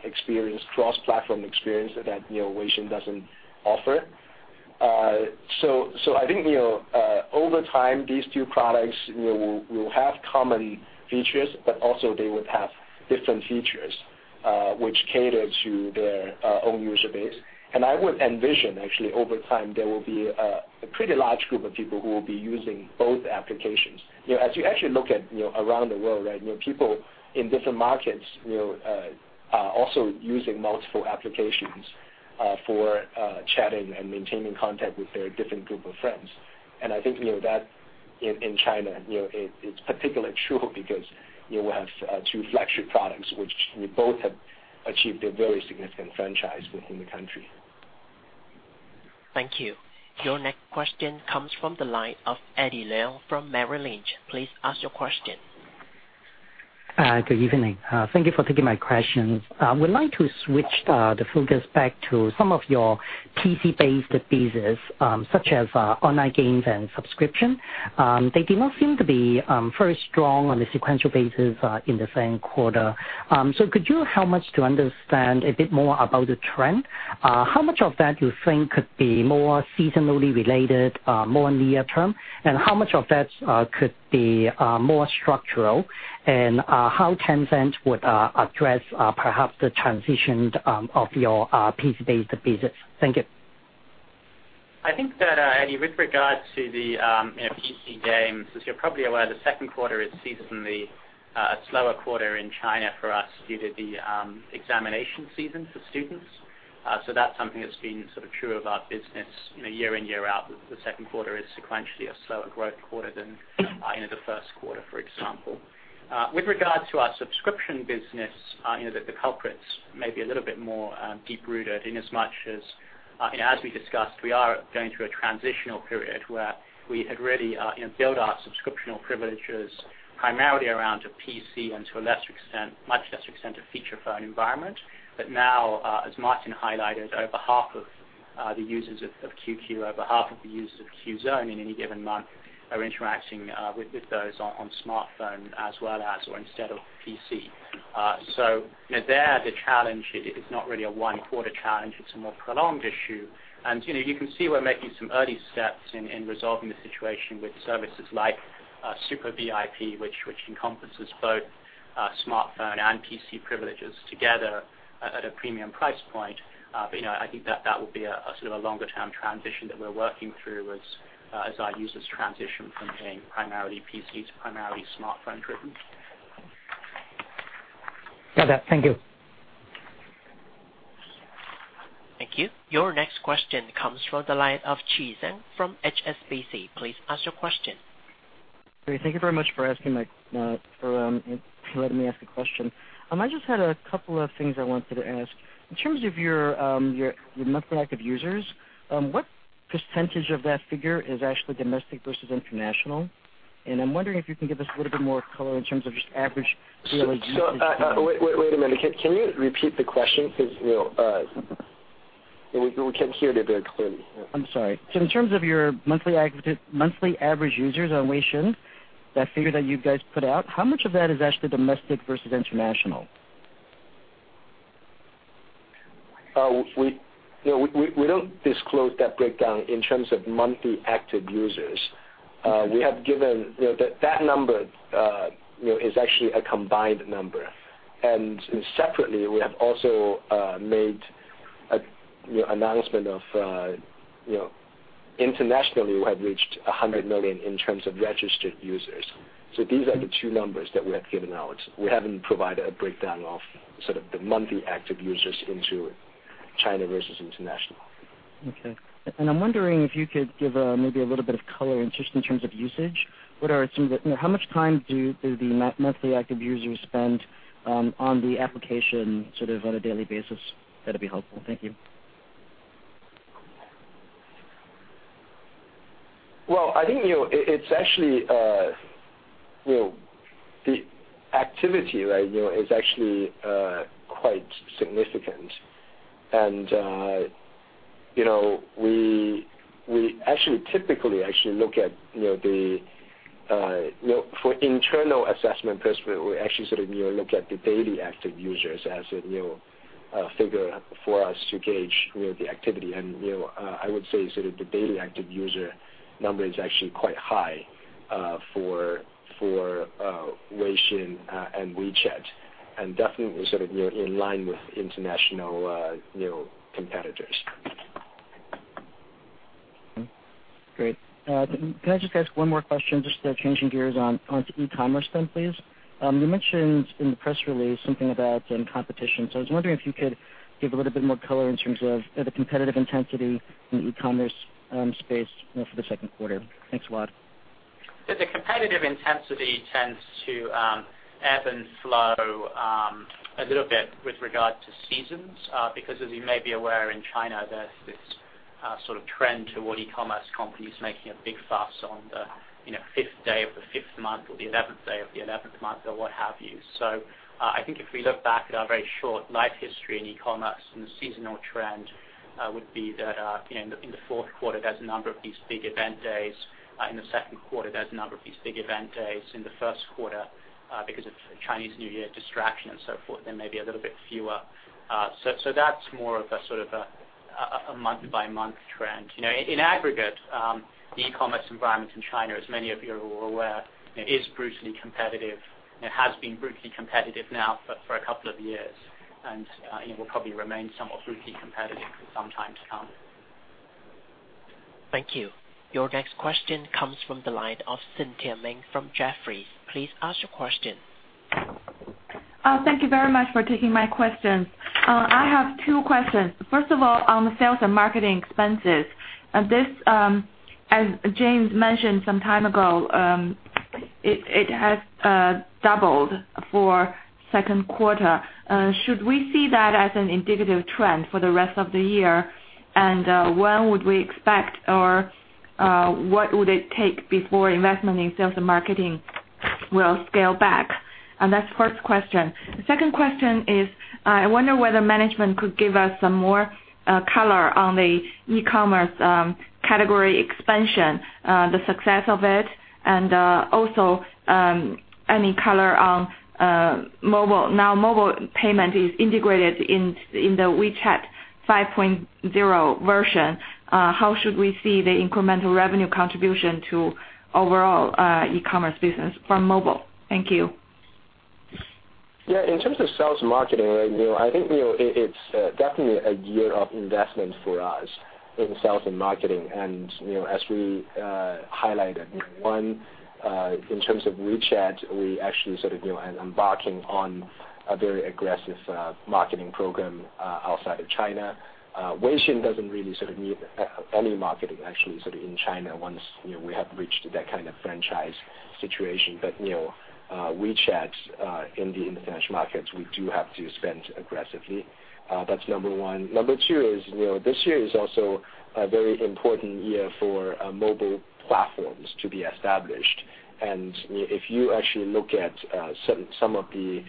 experience, cross-platform experience that Weixin doesn't offer. I think over time, these two products will have common features, but also they would have different features, which cater to their own user base. I would envision actually over time there will be a pretty large group of people who will be using both applications. As you actually look at around the world, people in different markets are also using multiple applications for chatting and maintaining contact with their different group of friends. I think that in China, it's particularly true because you have two flagship products, which both have achieved a very significant franchise within the country. Thank you. Your next question comes from the line of Eddie Leung from Merrill Lynch. Please ask your question. Good evening. Thank you for taking my questions. I would like to switch the focus back to some of your PC-based business, such as online games and subscription. They did not seem to be very strong on a sequential basis in the same quarter. Could you help much to understand a bit more about the trend? How much of that you think could be more seasonally related, more near term, and how much of that could be more structural? How Tencent would address perhaps the transition of your PC-based business. Thank you. I think that, Eddie, with regards to the PC games, as you're probably aware, the second quarter is seasonally a slower quarter in China for us due to the examination season for students. That's something that's been sort of true of our business year in, year out. The second quarter is sequentially a slower growth quarter than the first quarter, for example. With regard to our subscription business, the culprits may be a little bit more deep-rooted in as much as we discussed, we are going through a transitional period where we had really built our subscriptional privileges primarily around a PC and to a much lesser extent, a feature phone environment. Now, as Martin highlighted, over half of the users of QQ, over half of the users of QZone in any given month are interacting with those on smartphone as well as or instead of PC. There, the challenge is not really a one-quarter challenge, it's a more prolonged issue. You can see we're making some early steps in resolving the situation with services like Super VIP, which encompasses both smartphone and PC privileges together at a premium price point. I think that will be a sort of a longer-term transition that we're working through as our users transition from being primarily PC to primarily smartphone driven. Got that. Thank you. Thank you. Your next question comes from the line of Chi Tsang from HSBC. Please ask your question. Great. Thank you very much for letting me ask a question. I just had a couple of things I wanted to ask. In terms of your monthly active users, what percentage of that figure is actually domestic versus international? I'm wondering if you can give us a little bit more color in terms of just average daily users. Wait a minute. Can you repeat the question because we can't hear it very clearly. I'm sorry. In terms of your monthly active users on Weixin, that figure that you guys put out, how much of that is actually domestic versus international? We don't disclose that breakdown in terms of monthly active users. That number is actually a combined number. Separately, we have also made announcement of Internationally, we have reached 100 million in terms of registered users. These are the two numbers that we have given out. We haven't provided a breakdown of the monthly active users into China versus international. Okay. I'm wondering if you could give maybe a little bit of color in just in terms of usage. How much time do the monthly active users spend on the application sort of on a daily basis? That'd be helpful. Thank you. Well, I think, the activity right, is actually quite significant. We typically actually look at, for internal assessment first, we actually sort of look at the daily active users as a figure for us to gauge the activity. I would say the daily active user number is actually quite high for Weixin and WeChat, and definitely sort of in line with international competitors. Great. Can I just ask one more question, just changing gears onto e-commerce then, please? You mentioned in the press release something about competition. I was wondering if you could give a little bit more color in terms of the competitive intensity in the e-commerce space for the second quarter. Thanks a lot. The competitive intensity tends to ebb and flow a little bit with regard to seasons, because as you may be aware, in China, there's this sort of trend toward e-commerce companies making a big fuss on the fifth day of the fifth month or the 11th day of the 11th month, or what have you. I think if we look back at our very short life history in e-commerce and the seasonal trend would be that in the fourth quarter, there's a number of these big event days. In the second quarter, there's a number of these big event days. In the first quarter, because of Chinese New Year distraction and so forth, there may be a little bit fewer. That's more of a sort of a month-by-month trend. In aggregate, the e-commerce environment in China, as many of you are aware, is brutally competitive and has been brutally competitive now for a couple of years, and it will probably remain somewhat brutally competitive for some time to come. Thank you. Your next question comes from the line of Cynthia Meng from Jefferies. Please ask your question. Thank you very much for taking my questions. I have two questions. First of all, on the sales and marketing expenses, this, as James mentioned some time ago, it has doubled for second quarter. Should we see that as an indicative trend for the rest of the year? When would we expect, or what would it take before investment in sales and marketing will scale back? That's the first question. The second question is, I wonder whether management could give us some more color on the e-commerce category expansion, the success of it, and also any color on mobile. Mobile payment is integrated in the WeChat 5.0 version. How should we see the incremental revenue contribution to overall e-commerce business from mobile? Thank you. Yeah. In terms of sales and marketing, I think it's definitely a year of investment for us in sales and marketing. As we highlighted, one, in terms of WeChat, we actually sort of embarking on a very aggressive marketing program outside of China. Weixin doesn't really sort of need any marketing, actually, sort of in China once we have reached that kind of franchise situation. WeChat, in the international markets, we do have to spend aggressively. That's number 1. Number 2 is this year is also a very important year for mobile platforms to be established. If you actually look at some of the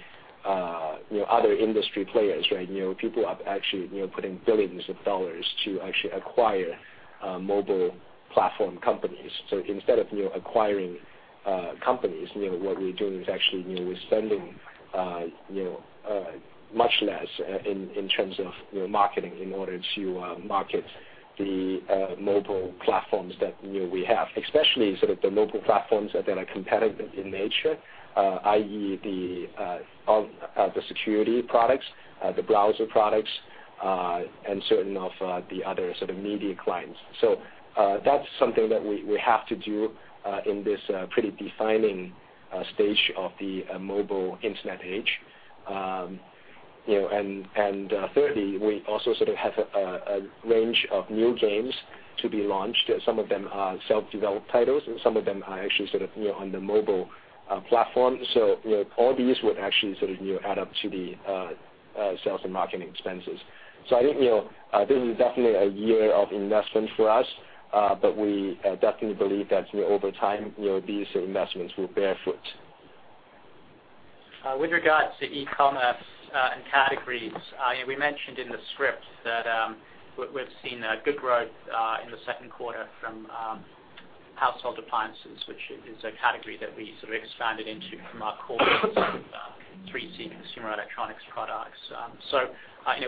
other industry players, right, people are actually putting billions of dollars to actually acquire mobile platform companies. Instead of acquiring companies, what we're doing is actually we're spending much less in terms of marketing in order to market the mobile platforms that we have, especially sort of the mobile platforms that are competitive in nature, i.e. the security products, the browser products, and certain of the other sort of media clients. That's something that we have to do in this pretty defining stage of the mobile internet age. Thirdly, we also sort of have a range of new games to be launched. Some of them are self-developed titles, and some of them are actually sort of on the mobile platform. All these would actually sort of add up to the sales and marketing expenses. I think this is definitely a year of investment for us. We definitely believe that over time, these investments will bear fruit. With regards to e-commerce and categories, we mentioned in the script that we've seen a good growth in the second quarter from household appliances, which is a category that we sort of expanded into from our core 3C consumer electronics products.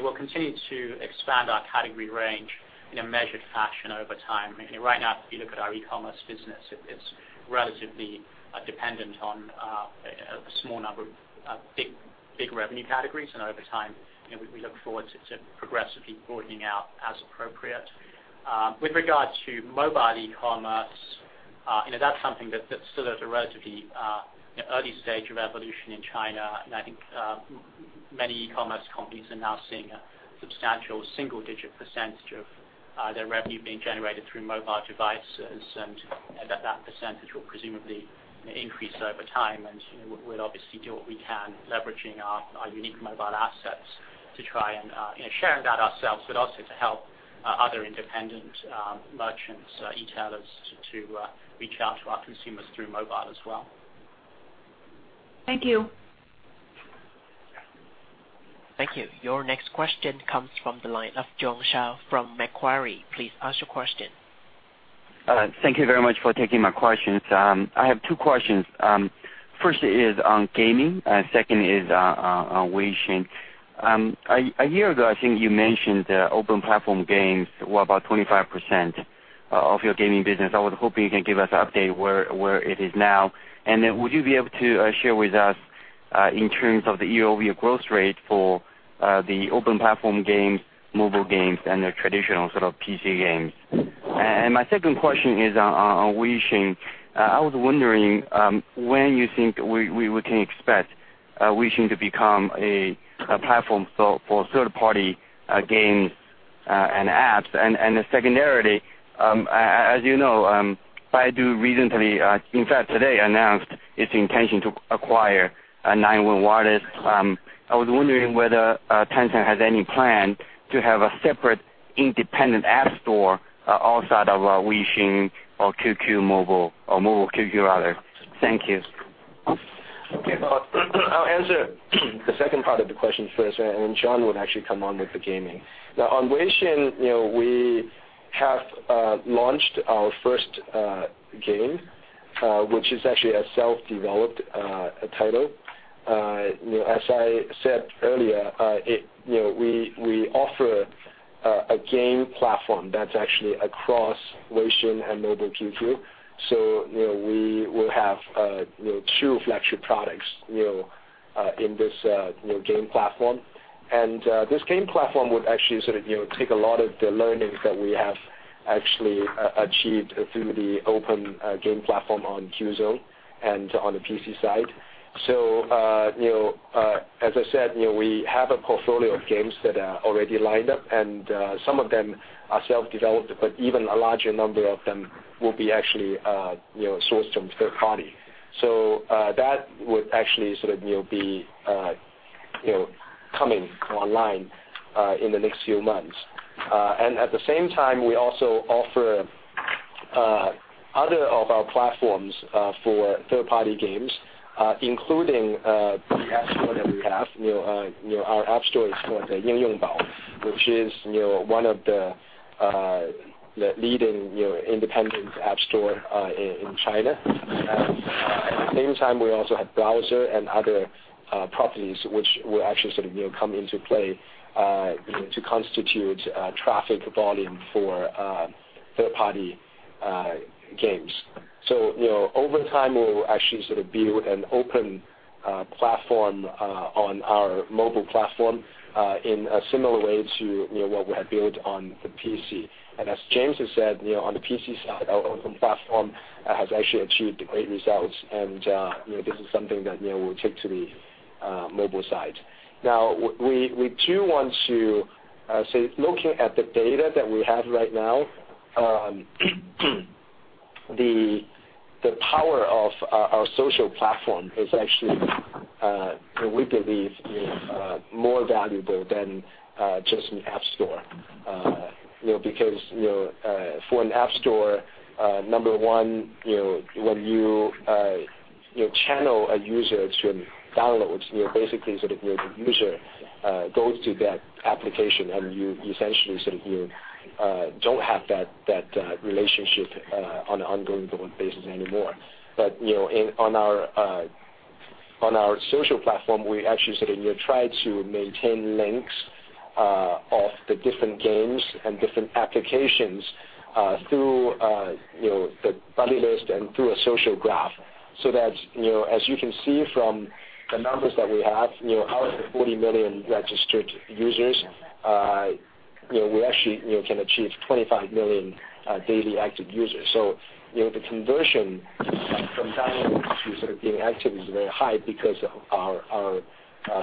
We'll continue to expand our category range in a measured fashion over time. Right now, if you look at our e-commerce business, it's relatively dependent on a small number of big revenue categories, and over time, we look forward to progressively broadening out as appropriate. With regards to mobile e-commerce, that's something that still is a relatively early stage of evolution in China, and I think many e-commerce companies are now seeing a substantial single-digit percentage of their revenue being generated through mobile devices, and that percentage will presumably increase over time. We'll obviously do what we can, leveraging our unique mobile assets to try and share in that ourselves, but also to help other independent merchants, e-tailers, to reach out to our consumers through mobile as well. Thank you. Thank you. Your next question comes from the line of Jiong Shao from Macquarie. Please ask your question. Thank you very much for taking my questions. I have two questions. First is on gaming, second is on Weixin. A year ago, I think you mentioned open platform games were about 25% of your gaming business. I was hoping you can give us an update where it is now. Would you be able to share with us in terms of the year-over-year growth rate for the open platform games, mobile games, and the traditional PC games? My second question is on Weixin. I was wondering when you think we can expect Weixin to become a platform for third-party games and apps. Secondarily, as you know, Baidu recently, in fact today, announced its intention to acquire 91 Wireless. I was wondering whether Tencent has any plan to have a separate independent app store outside of Weixin or QQ Mobile or Mobile QQ, rather. Thank you. Okay. I'll answer the second part of the question first. John would actually come on with the gaming. On Weixin, we have launched our first game, which is actually a self-developed title. As I said earlier, we offer a game platform that's actually across Weixin and Mobile QQ. We will have two flagship products in this game platform. This game platform would actually take a lot of the learnings that we have actually achieved through the open game platform on Qzone and on the PC side. As I said, we have a portfolio of games that are already lined up, some of them are self-developed, but even a larger number of them will be actually sourced from third party. That would actually be coming online in the next few months. At the same time, we also offer other of our platforms for third-party games, including the app store that we have. Our app store is called the Yingyongbao, which is one of the leading independent app store in China. At the same time, we also have browser and other properties which will actually come into play to constitute traffic volume for third-party games. Over time, we will actually build an open platform on our mobile platform in a similar way to what we have built on the PC. As James has said, on the PC side, our open platform has actually achieved great results, and this is something that we'll take to the mobile side. Looking at the data that we have right now, the power of our social platform is actually, we believe, more valuable than just an app store. Because for an app store, number one, when you channel a user to download, basically the user goes to that application and you essentially don't have that relationship on an ongoing basis anymore. On our social platform, we actually try to maintain links of the different games and different applications through the buddy list and through a social graph, so that as you can see from the numbers that we have, out of the 40 million registered users, we actually can achieve 25 million daily active users. The conversion from download to being active is very high because of our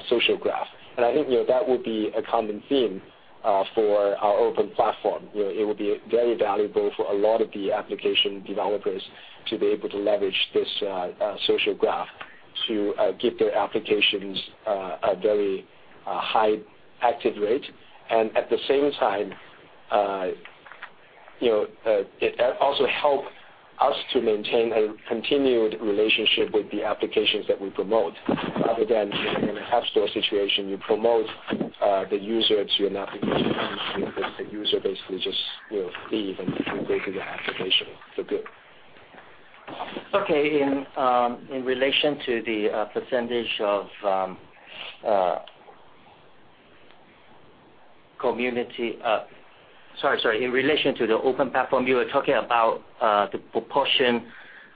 social graph. I think that would be a common theme for our open platform. It would be very valuable for a lot of the application developers to be able to leverage this social graph to give their applications a very high active rate. At the same time, it also helps us to maintain a continued relationship with the applications that we promote, rather than in an app store situation, you promote the user to an application, because the user basically just leave and go to the application. Good. In relation to the percentage of Sorry, in relation to the open platform, you were talking about the proportion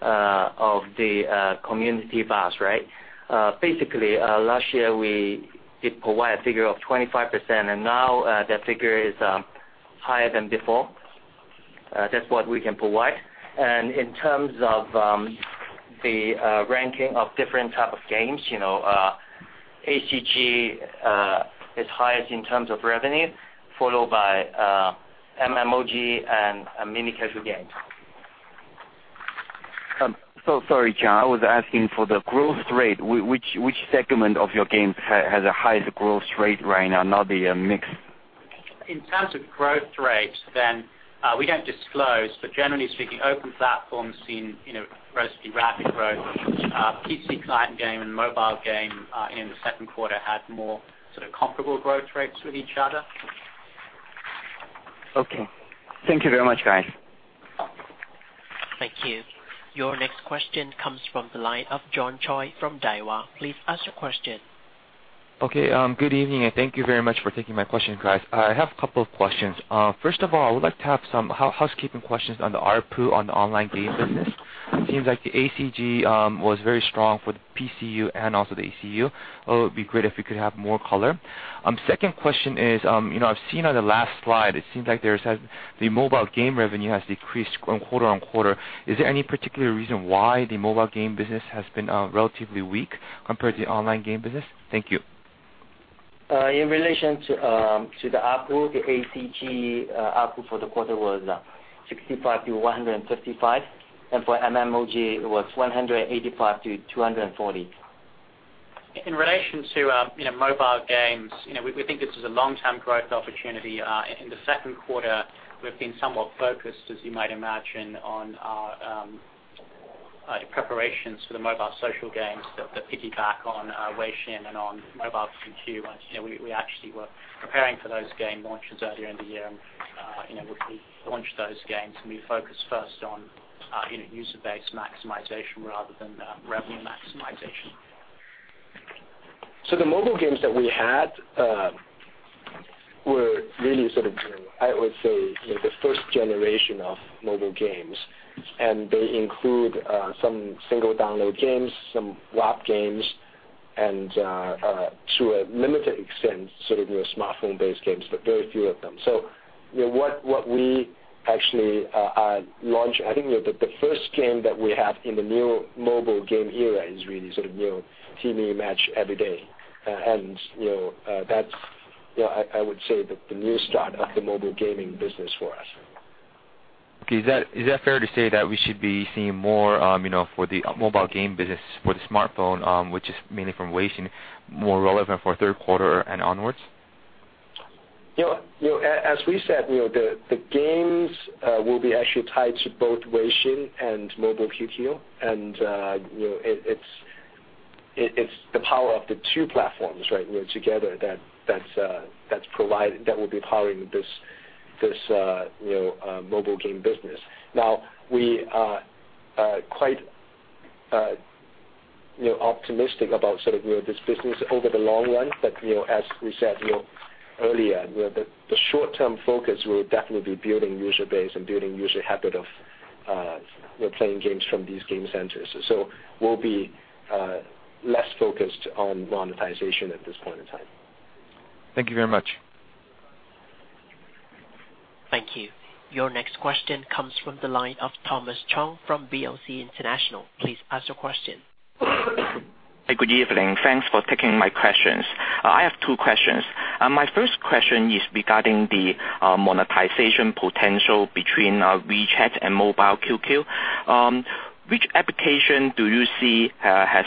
of the community VAS, right? Last year we did provide a figure of 25%, and now that figure is higher than before. That's what we can provide. In terms of the ranking of different type of games, ACG is highest in terms of revenue, followed by MMOG and mini casual games. Sorry, John, I was asking for the growth rate, which segment of your games has the highest growth rate right now, not the mix? In terms of growth rate, we don't disclose, but generally speaking, open platform seen relatively rapid growth. PC client game and mobile game, in the second quarter, had more sort of comparable growth rates with each other. Okay. Thank you very much, guys. Thank you. Your next question comes from the line of John Choi from Daiwa. Please ask your question. Okay. Good evening, thank you very much for taking my question, guys. I have a couple of questions. First of all, I would like to have some housekeeping questions on the ARPU on the online game business. It seems like the ACG was very strong for the PCU and also the ACU, although it'd be great if we could have more color. Second question is, I've seen on the last slide, it seems like the mobile game revenue has decreased quarter-on-quarter. Is there any particular reason why the mobile game business has been relatively weak compared to the online game business? Thank you. In relation to the ARPU, the ACG ARPU for the quarter was 65-155, and for MMOG, it was 185-240. In relation to mobile games, we think this is a long-term growth opportunity. In the second quarter, we've been somewhat focused, as you might imagine, on our preparations for the mobile social games that piggyback on Weixin and on Mobile QQ. We actually were preparing for those game launches earlier in the year, and we launched those games, and we focused first on user base maximization rather than revenue maximization. The mobile games that we had were really sort of, I would say, the first generation of mobile games, and they include some single download games, some WAP games, and to a limited extent, sort of your smartphone-based games, but very few of them. What we actually launched, I think the first game that we have in the new mobile game era is really sort of new, Timi Match Every Day. That's, I would say, the new start of the mobile gaming business for us. Okay, is that fair to say that we should be seeing more for the mobile game business with smartphone, which is mainly from Weixin, more relevant for third quarter and onwards? As we said, the games will actually be tied to both Weixin and Mobile QQ, and it's the power of the two platforms together that will be powering this mobile game business. We are quite optimistic about this business over the long run, as we said earlier, the short-term focus will definitely be building user base and building user habit of playing games from these game centers. We'll be less focused on monetization at this point in time. Thank you very much. Thank you. Your next question comes from the line of Thomas Chong from BOCI International. Please ask your question. Hey, good evening. Thanks for taking my questions. I have two questions. My first question is regarding the monetization potential between WeChat and Mobile QQ. Which application do you see has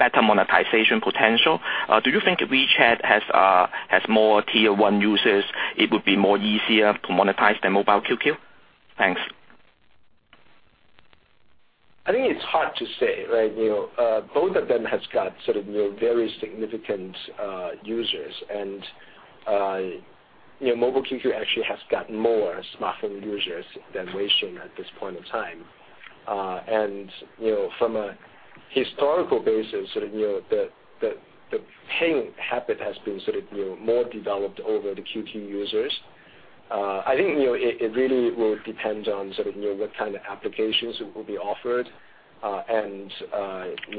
better monetization potential? Do you think WeChat has more tier 1 users, it would be more easier to monetize than Mobile QQ? Thanks. I think it's hard to say. Both of them has got sort of very significant users, Mobile QQ actually has got more smartphone users than Weixin at this point in time. From a historical basis, the paying habit has been sort of more developed over the QQ users. I think it really will depend on sort of what kind of applications will be offered. I think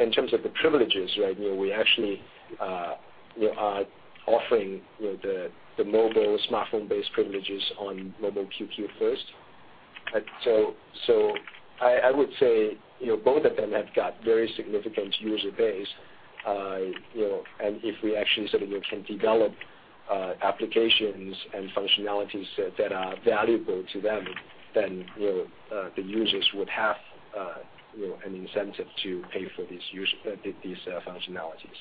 in terms of the privileges, we actually are offering the mobile smartphone-based privileges on Mobile QQ first. I would say both of them have got very significant user base. If we actually sort of can develop applications and functionalities that are valuable to them, then the users would have an incentive to pay for these functionalities.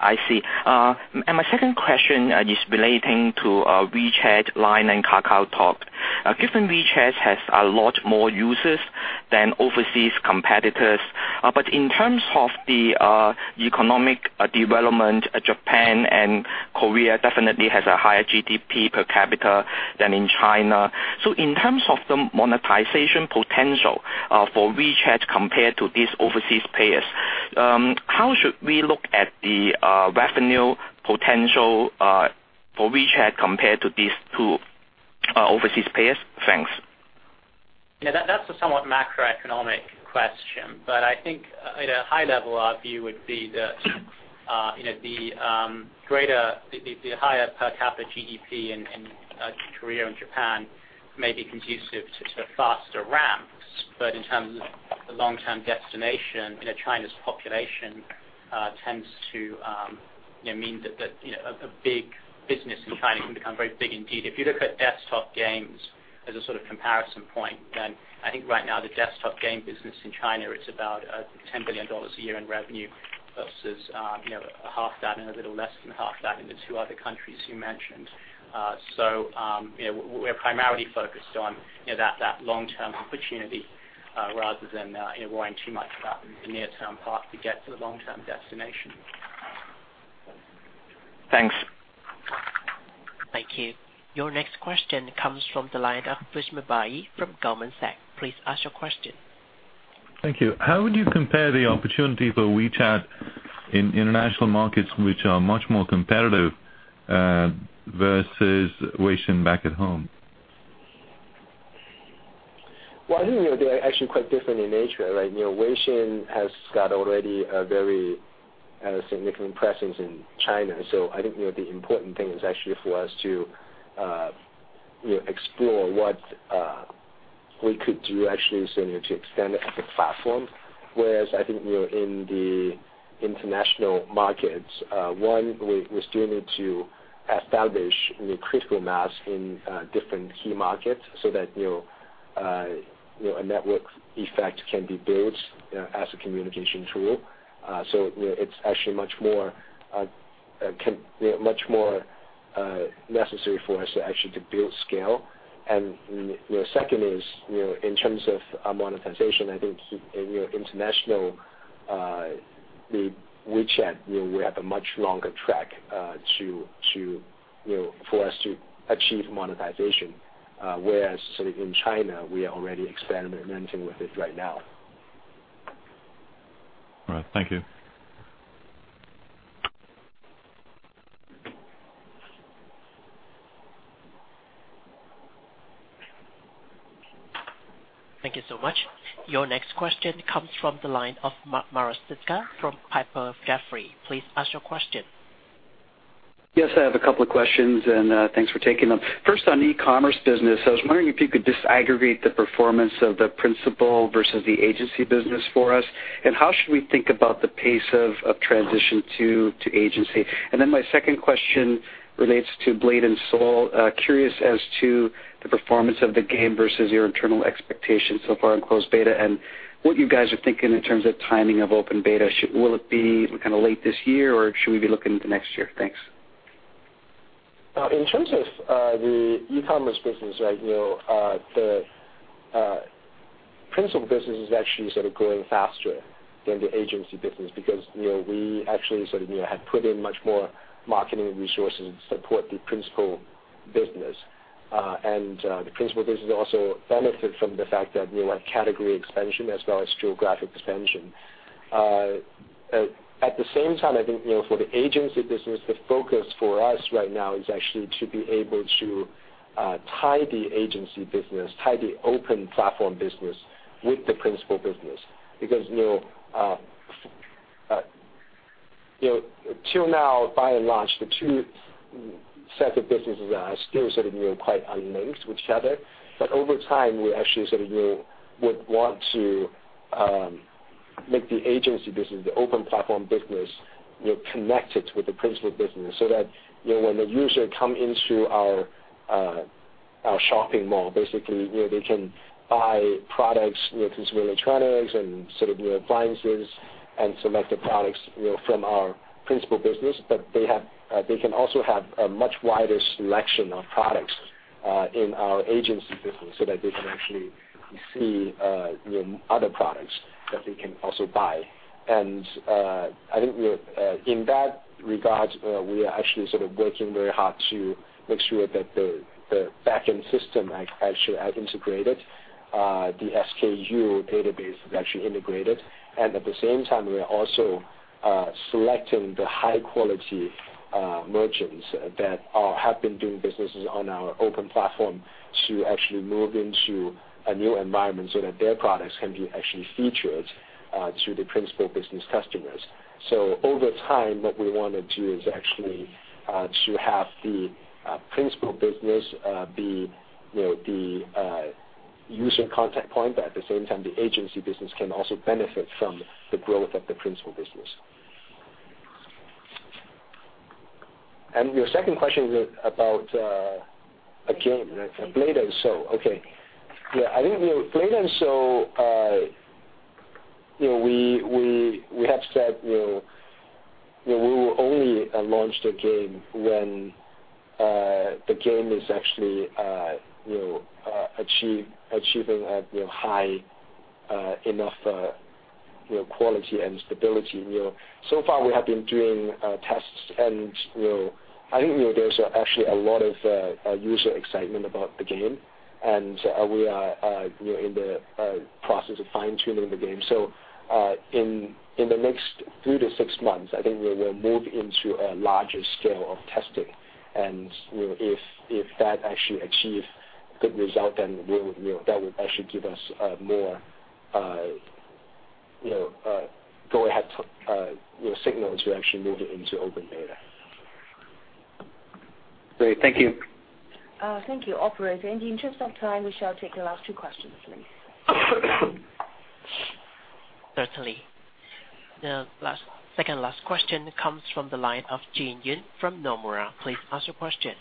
I see. My second question is relating to WeChat, Line, and KakaoTalk. Given WeChat has a lot more users than overseas competitors, but in terms of the economic development, Japan and Korea definitely has a higher GDP per capita than in China. How should we look at the revenue potential for WeChat compared to these two overseas players? Thanks. That's a somewhat macroeconomic question, but I think at a high-level view would be the higher per capita GDP in Korea and Japan may be conducive to faster ramps. In terms of the long-term destination, China's population tends to mean that a big business in China can become very big indeed. If you look at desktop games as a sort of comparison point, then I think right now the desktop game business in China, it's about CNY 10 billion a year in revenue versus half that and a little less than half that in the two other countries you mentioned. We're primarily focused on that long-term opportunity rather than worrying too much about the near-term path to get to the long-term destination. Thanks. Thank you. Your next question comes from the line of Goldman Sachs. Please ask your question. Thank you. How would you compare the opportunity for WeChat in international markets which are much more competitive versus WeChat back at home? Well, I think they're actually quite different in nature, right? WeChat has got already a very significant presence in China. I think, the important thing is actually for us to explore what we could do actually, say, to extend it as a platform. Whereas, I think in the international markets, one, we still need to establish new critical mass in different key markets so that a network effect can be built as a communication tool. It's actually much more necessary for us to actually build scale. The second is, in terms of monetization, I think in international, with WeChat, we have a much longer track for us to achieve monetization. Whereas, say, in China, we are already experimenting with it right now. All right. Thank you. Thank you so much. Your next question comes from the line of Mark Marostica from Piper Jaffray. Please ask your question. Yes, I have a couple of questions, and thanks for taking them. First, on e-commerce business, I was wondering if you could disaggregate the performance of the principal versus the agency business for us, how should we think about the pace of transition to agency? My second question relates to Blade and Soul. Curious as to the performance of the game versus your internal expectations so far on closed beta, and what you guys are thinking in terms of timing of open beta. Will it be kind of late this year, or should we be looking into next year? Thanks. In terms of the e-commerce business right now, the principal business is actually growing faster than the agency business because we actually have put in much more marketing resources to support the principal business. The principal business also benefited from the fact that we have category expansion as well as geographic expansion. At the same time, for the agency business, the focus for us right now is actually to be able to tie the agency business, tie the open platform business with the principal business. Because till now, by and large, the two sets of businesses are still quite unlinked with each other. Over time, we actually would want to make the agency business, the open platform business, connected with the principal business so that when the user comes into our shopping mall, where they can buy products, consumer electronics and appliances and selected products from our principal business. They can also have a much wider selection of products in our agency business so that they can actually see other products that they can also buy. In that regard, we are actually working very hard to make sure that the back-end system is actually integrated. The SKU database is actually integrated. At the same time, we are also selecting the high-quality merchants that have been doing businesses on our open platform to actually move into a new environment so that their products can be actually featured to the principal business customers. Over time, what we want to do is actually to have the principal business be the user contact point. At the same time, the agency business can also benefit from the growth of the principal business. Your second question was about a game, Blade and Soul. Okay. Blade and Soul, we have said we will only launch the game when the game is actually achieving a high enough quality and stability. So far, we have been doing tests, there's actually a lot of user excitement about the game. We are in the process of fine-tuning the game. In the next three to six months, I think we will move into a larger scale of testing. If that actually achieves good result, that would actually give us more go-ahead signals to actually move it into open beta. Great. Thank you. Thank you. Operator, in the interest of time, we shall take the last two questions, please. Certainly. The second last question comes from the line of Jin Yoon from Nomura. Please ask your question.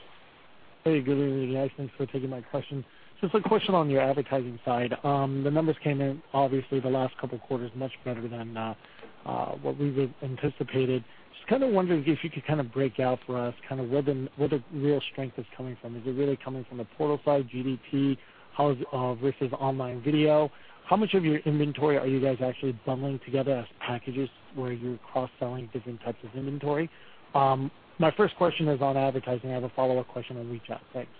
Hey, good evening, guys. Thanks for taking my question. A question on your advertising side. The numbers came in, obviously, the last couple of quarters, much better than what we would anticipated. Wondering if you could break out for us where the real strength is coming from. Is it really coming from the portal side, Guangdiantong versus online video? How much of your inventory are you guys actually bundling together as packages where you're cross-selling different types of inventory? My first question is on advertising. I have a follow-up question on WeChat. Thanks.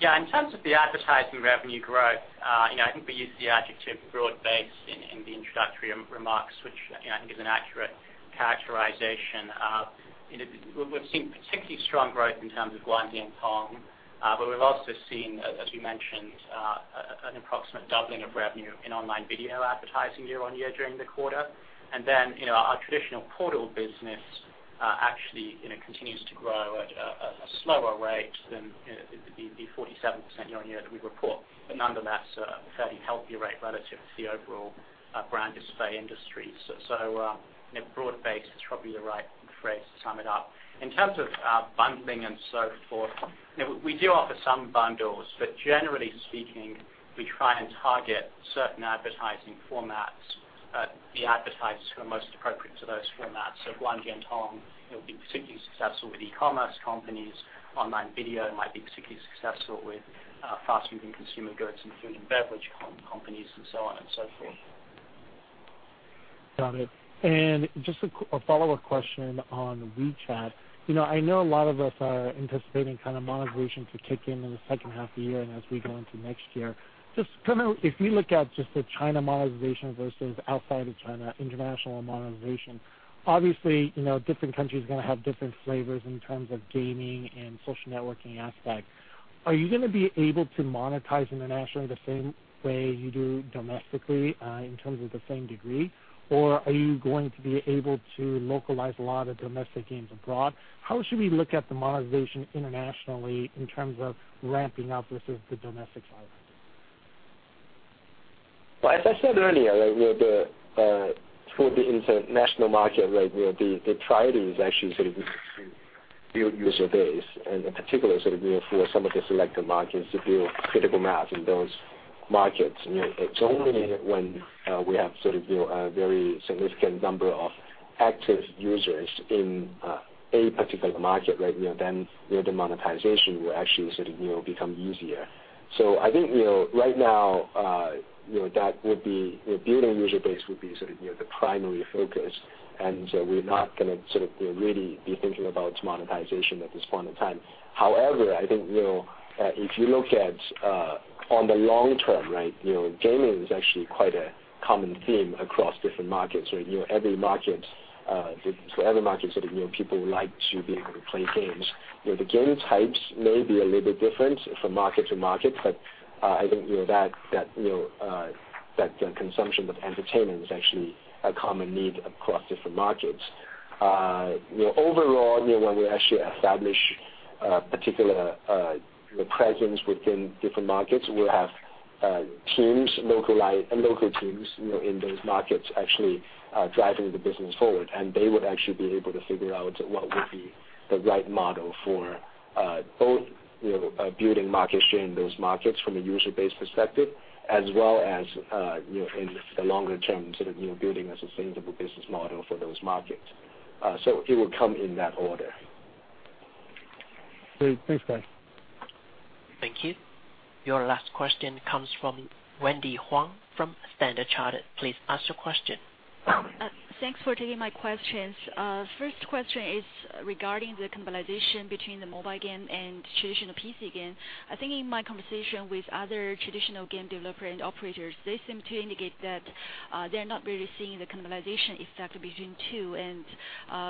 In terms of the advertising revenue growth, I think we used the adjective broad-based in the introductory remarks, which I think is an accurate characterization. We've seen particularly strong growth in terms of Guangdiantong, but we've also seen, as you mentioned, an approximate doubling of revenue in online video advertising year-on-year during the quarter. Our traditional portal business actually continues to grow at a slower rate than the 47% year-on-year that we report. Nonetheless, a fairly healthy rate relative to the overall brand display industry. Broad-based is probably the right phrase to sum it up. In terms of bundling and so forth, we do offer some bundles, but generally speaking, we try and target certain advertising formats, the advertisers who are most appropriate to those formats. Guangdiantong will be particularly successful with e-commerce companies. Online video might be particularly successful with fast-moving consumer goods and food and beverage companies, and so on and so forth. Got it. A follow-up question on WeChat. I know a lot of us are anticipating kind of monetization to kick in in the second half of the year and as we go into next year. If we look at the China monetization versus outside of China, international monetization, obviously, different countries are going to have different flavors in terms of gaming and social networking aspect. Are you going to be able to monetize internationally the same way you do domestically in terms of the same degree? Are you going to be able to localize a lot of domestic games abroad? How should we look at the monetization internationally in terms of ramping up versus the domestic side? Well, as I said earlier, for the international market, the priority is actually sort of to build user base and in particular sort of for some of the selected markets to build critical mass in those markets. It's only when we have sort of a very significant number of active users in a particular market then the monetization will actually sort of become easier. I think right now that building user base would be sort of the primary focus, we're not going to sort of really be thinking about monetization at this point in time. However, I think if you look at on the long term, gaming is actually quite a common theme across different markets. Every market sort of people like to be able to play games. The game types may be a little bit different from market to market, I think that the consumption of entertainment is actually a common need across different markets. Overall, when we actually establish a particular presence within different markets, we'll have teams, local teams in those markets actually driving the business forward, they would actually be able to figure out what would be the right model for both building market share in those markets from a user-based perspective, as well as in the longer term, sort of building a sustainable business model for those markets. It would come in that order. Great. Thanks, guys. Thank you. Your last question comes from Wendy Huang from Standard Chartered. Please ask your question. Thanks for taking my questions. First question is regarding the cannibalization between the mobile game and traditional PC game. I think in my conversation with other traditional game developer and operators, they seem to indicate that they're not really seeing the cannibalization effect between two,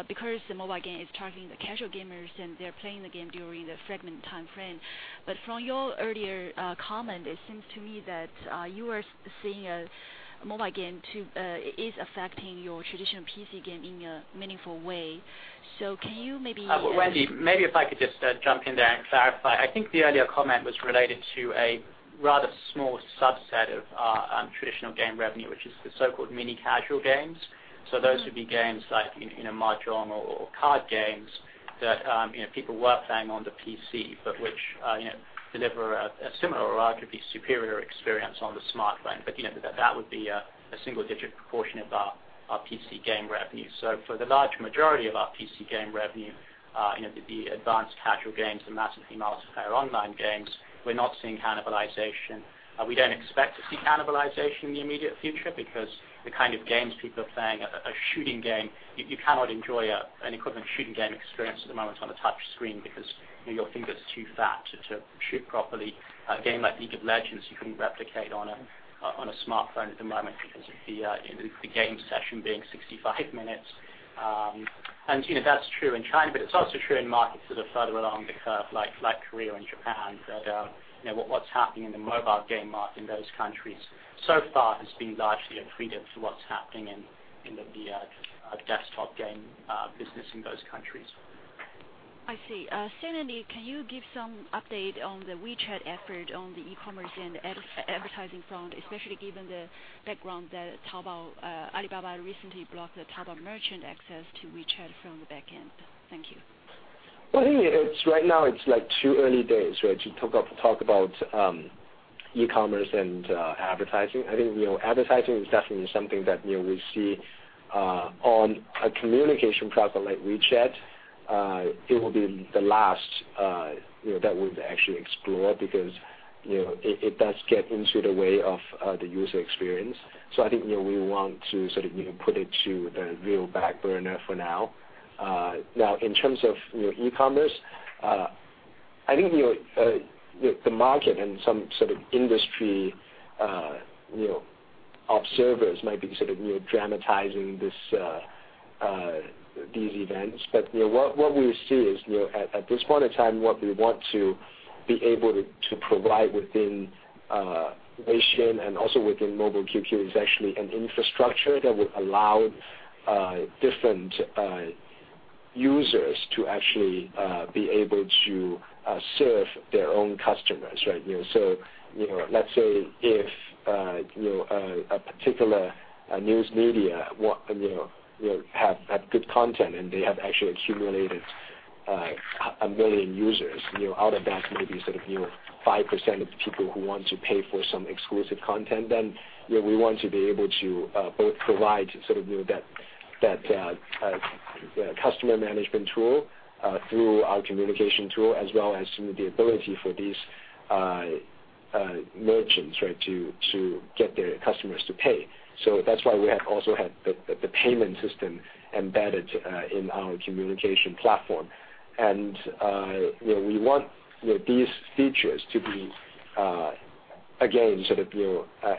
because the mobile game is targeting the casual gamers, and they're playing the game during the fragment timeframe. From your earlier comment, it seems to me that you are seeing a mobile game is affecting your traditional PC game in a meaningful way. Can you maybe- Wendy, maybe if I could just jump in there and clarify. I think the earlier comment was related to a rather small subset of traditional game revenue, which is the so-called mini casual games. Those would be games like Mahjong or card games that people were playing on the PC, but which deliver a similar or arguably superior experience on the smartphone. That would be a single-digit proportion of our PC game revenue. For the large majority of our PC game revenue, the advanced casual games, the massively multiplayer online games, we're not seeing cannibalization. We don't expect to see cannibalization in the immediate future because the kind of games people are playing, a shooting game, you cannot enjoy an equivalent shooting game experience at the moment on a touch screen because your finger is too fat to shoot properly. A game like League of Legends, you couldn't replicate on a smartphone at the moment because of the game session being 65 minutes. That's true in China, but it's also true in markets that are further along the curve, like Korea and Japan, that what's happening in the mobile game market in those countries so far has been largely accretive to what's happening in the desktop game business in those countries. I see. Secondly, can you give some update on the WeChat effort on the e-commerce and advertising front, especially given the background that Alibaba recently blocked the Taobao merchant access to WeChat from the back end? Thank you. Well, I think right now it's too early days, right, to talk about e-commerce and advertising. Advertising is definitely something that we see on a communication platform like WeChat. It will be the last that we'd actually explore because it does get into the way of the user experience. We want to sort of put it to the real back burner for now. In terms of e-commerce, I think the market and some sort of industry observers might be sort of dramatizing these events. What we see is at this point in time, what we want to be able to provide within Weixin and also within Mobile QQ, is actually an infrastructure that would allow different users to actually be able to serve their own customers, right? Let's say if a particular news media have good content, and they have actually accumulated 1 million users, out of that maybe sort of 5% of the people who want to pay for some exclusive content, then we want to be able to both provide that customer management tool through our communication tool, as well as the ability for these merchants, right, to get their customers to pay. That's why we have also had the payment system embedded in our communication platform. We want these features to be, again, sort of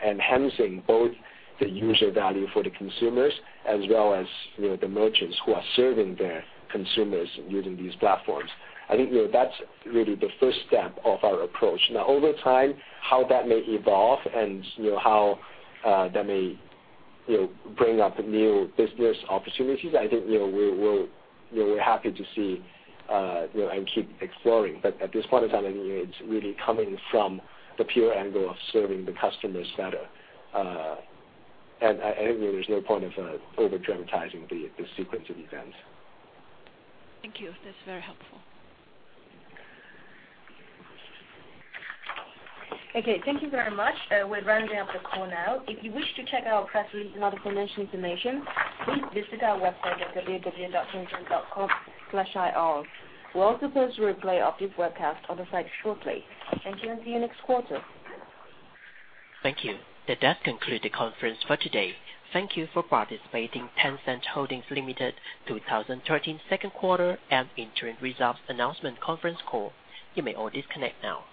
enhancing both the user value for the consumers as well as the merchants who are serving their consumers using these platforms. I think that's really the first step of our approach. Over time, how that may evolve and how that may bring up new business opportunities, I think we're happy to see and keep exploring. At this point in time, I think it's really coming from the pure angle of serving the customers better. I think there's no point of over-dramatizing the sequence of events. Thank you. That's very helpful. Okay. Thank you very much. We're rounding up the call now. If you wish to check our press release and other financial information, please visit our website at www.tencent.com/ir. We'll also post a replay of this webcast on the site shortly. Thank you and see you next quarter. Thank you. That does conclude the conference for today. Thank you for participating in Tencent Holdings Limited 2013 second quarter and interim results announcement conference call. You may all disconnect now.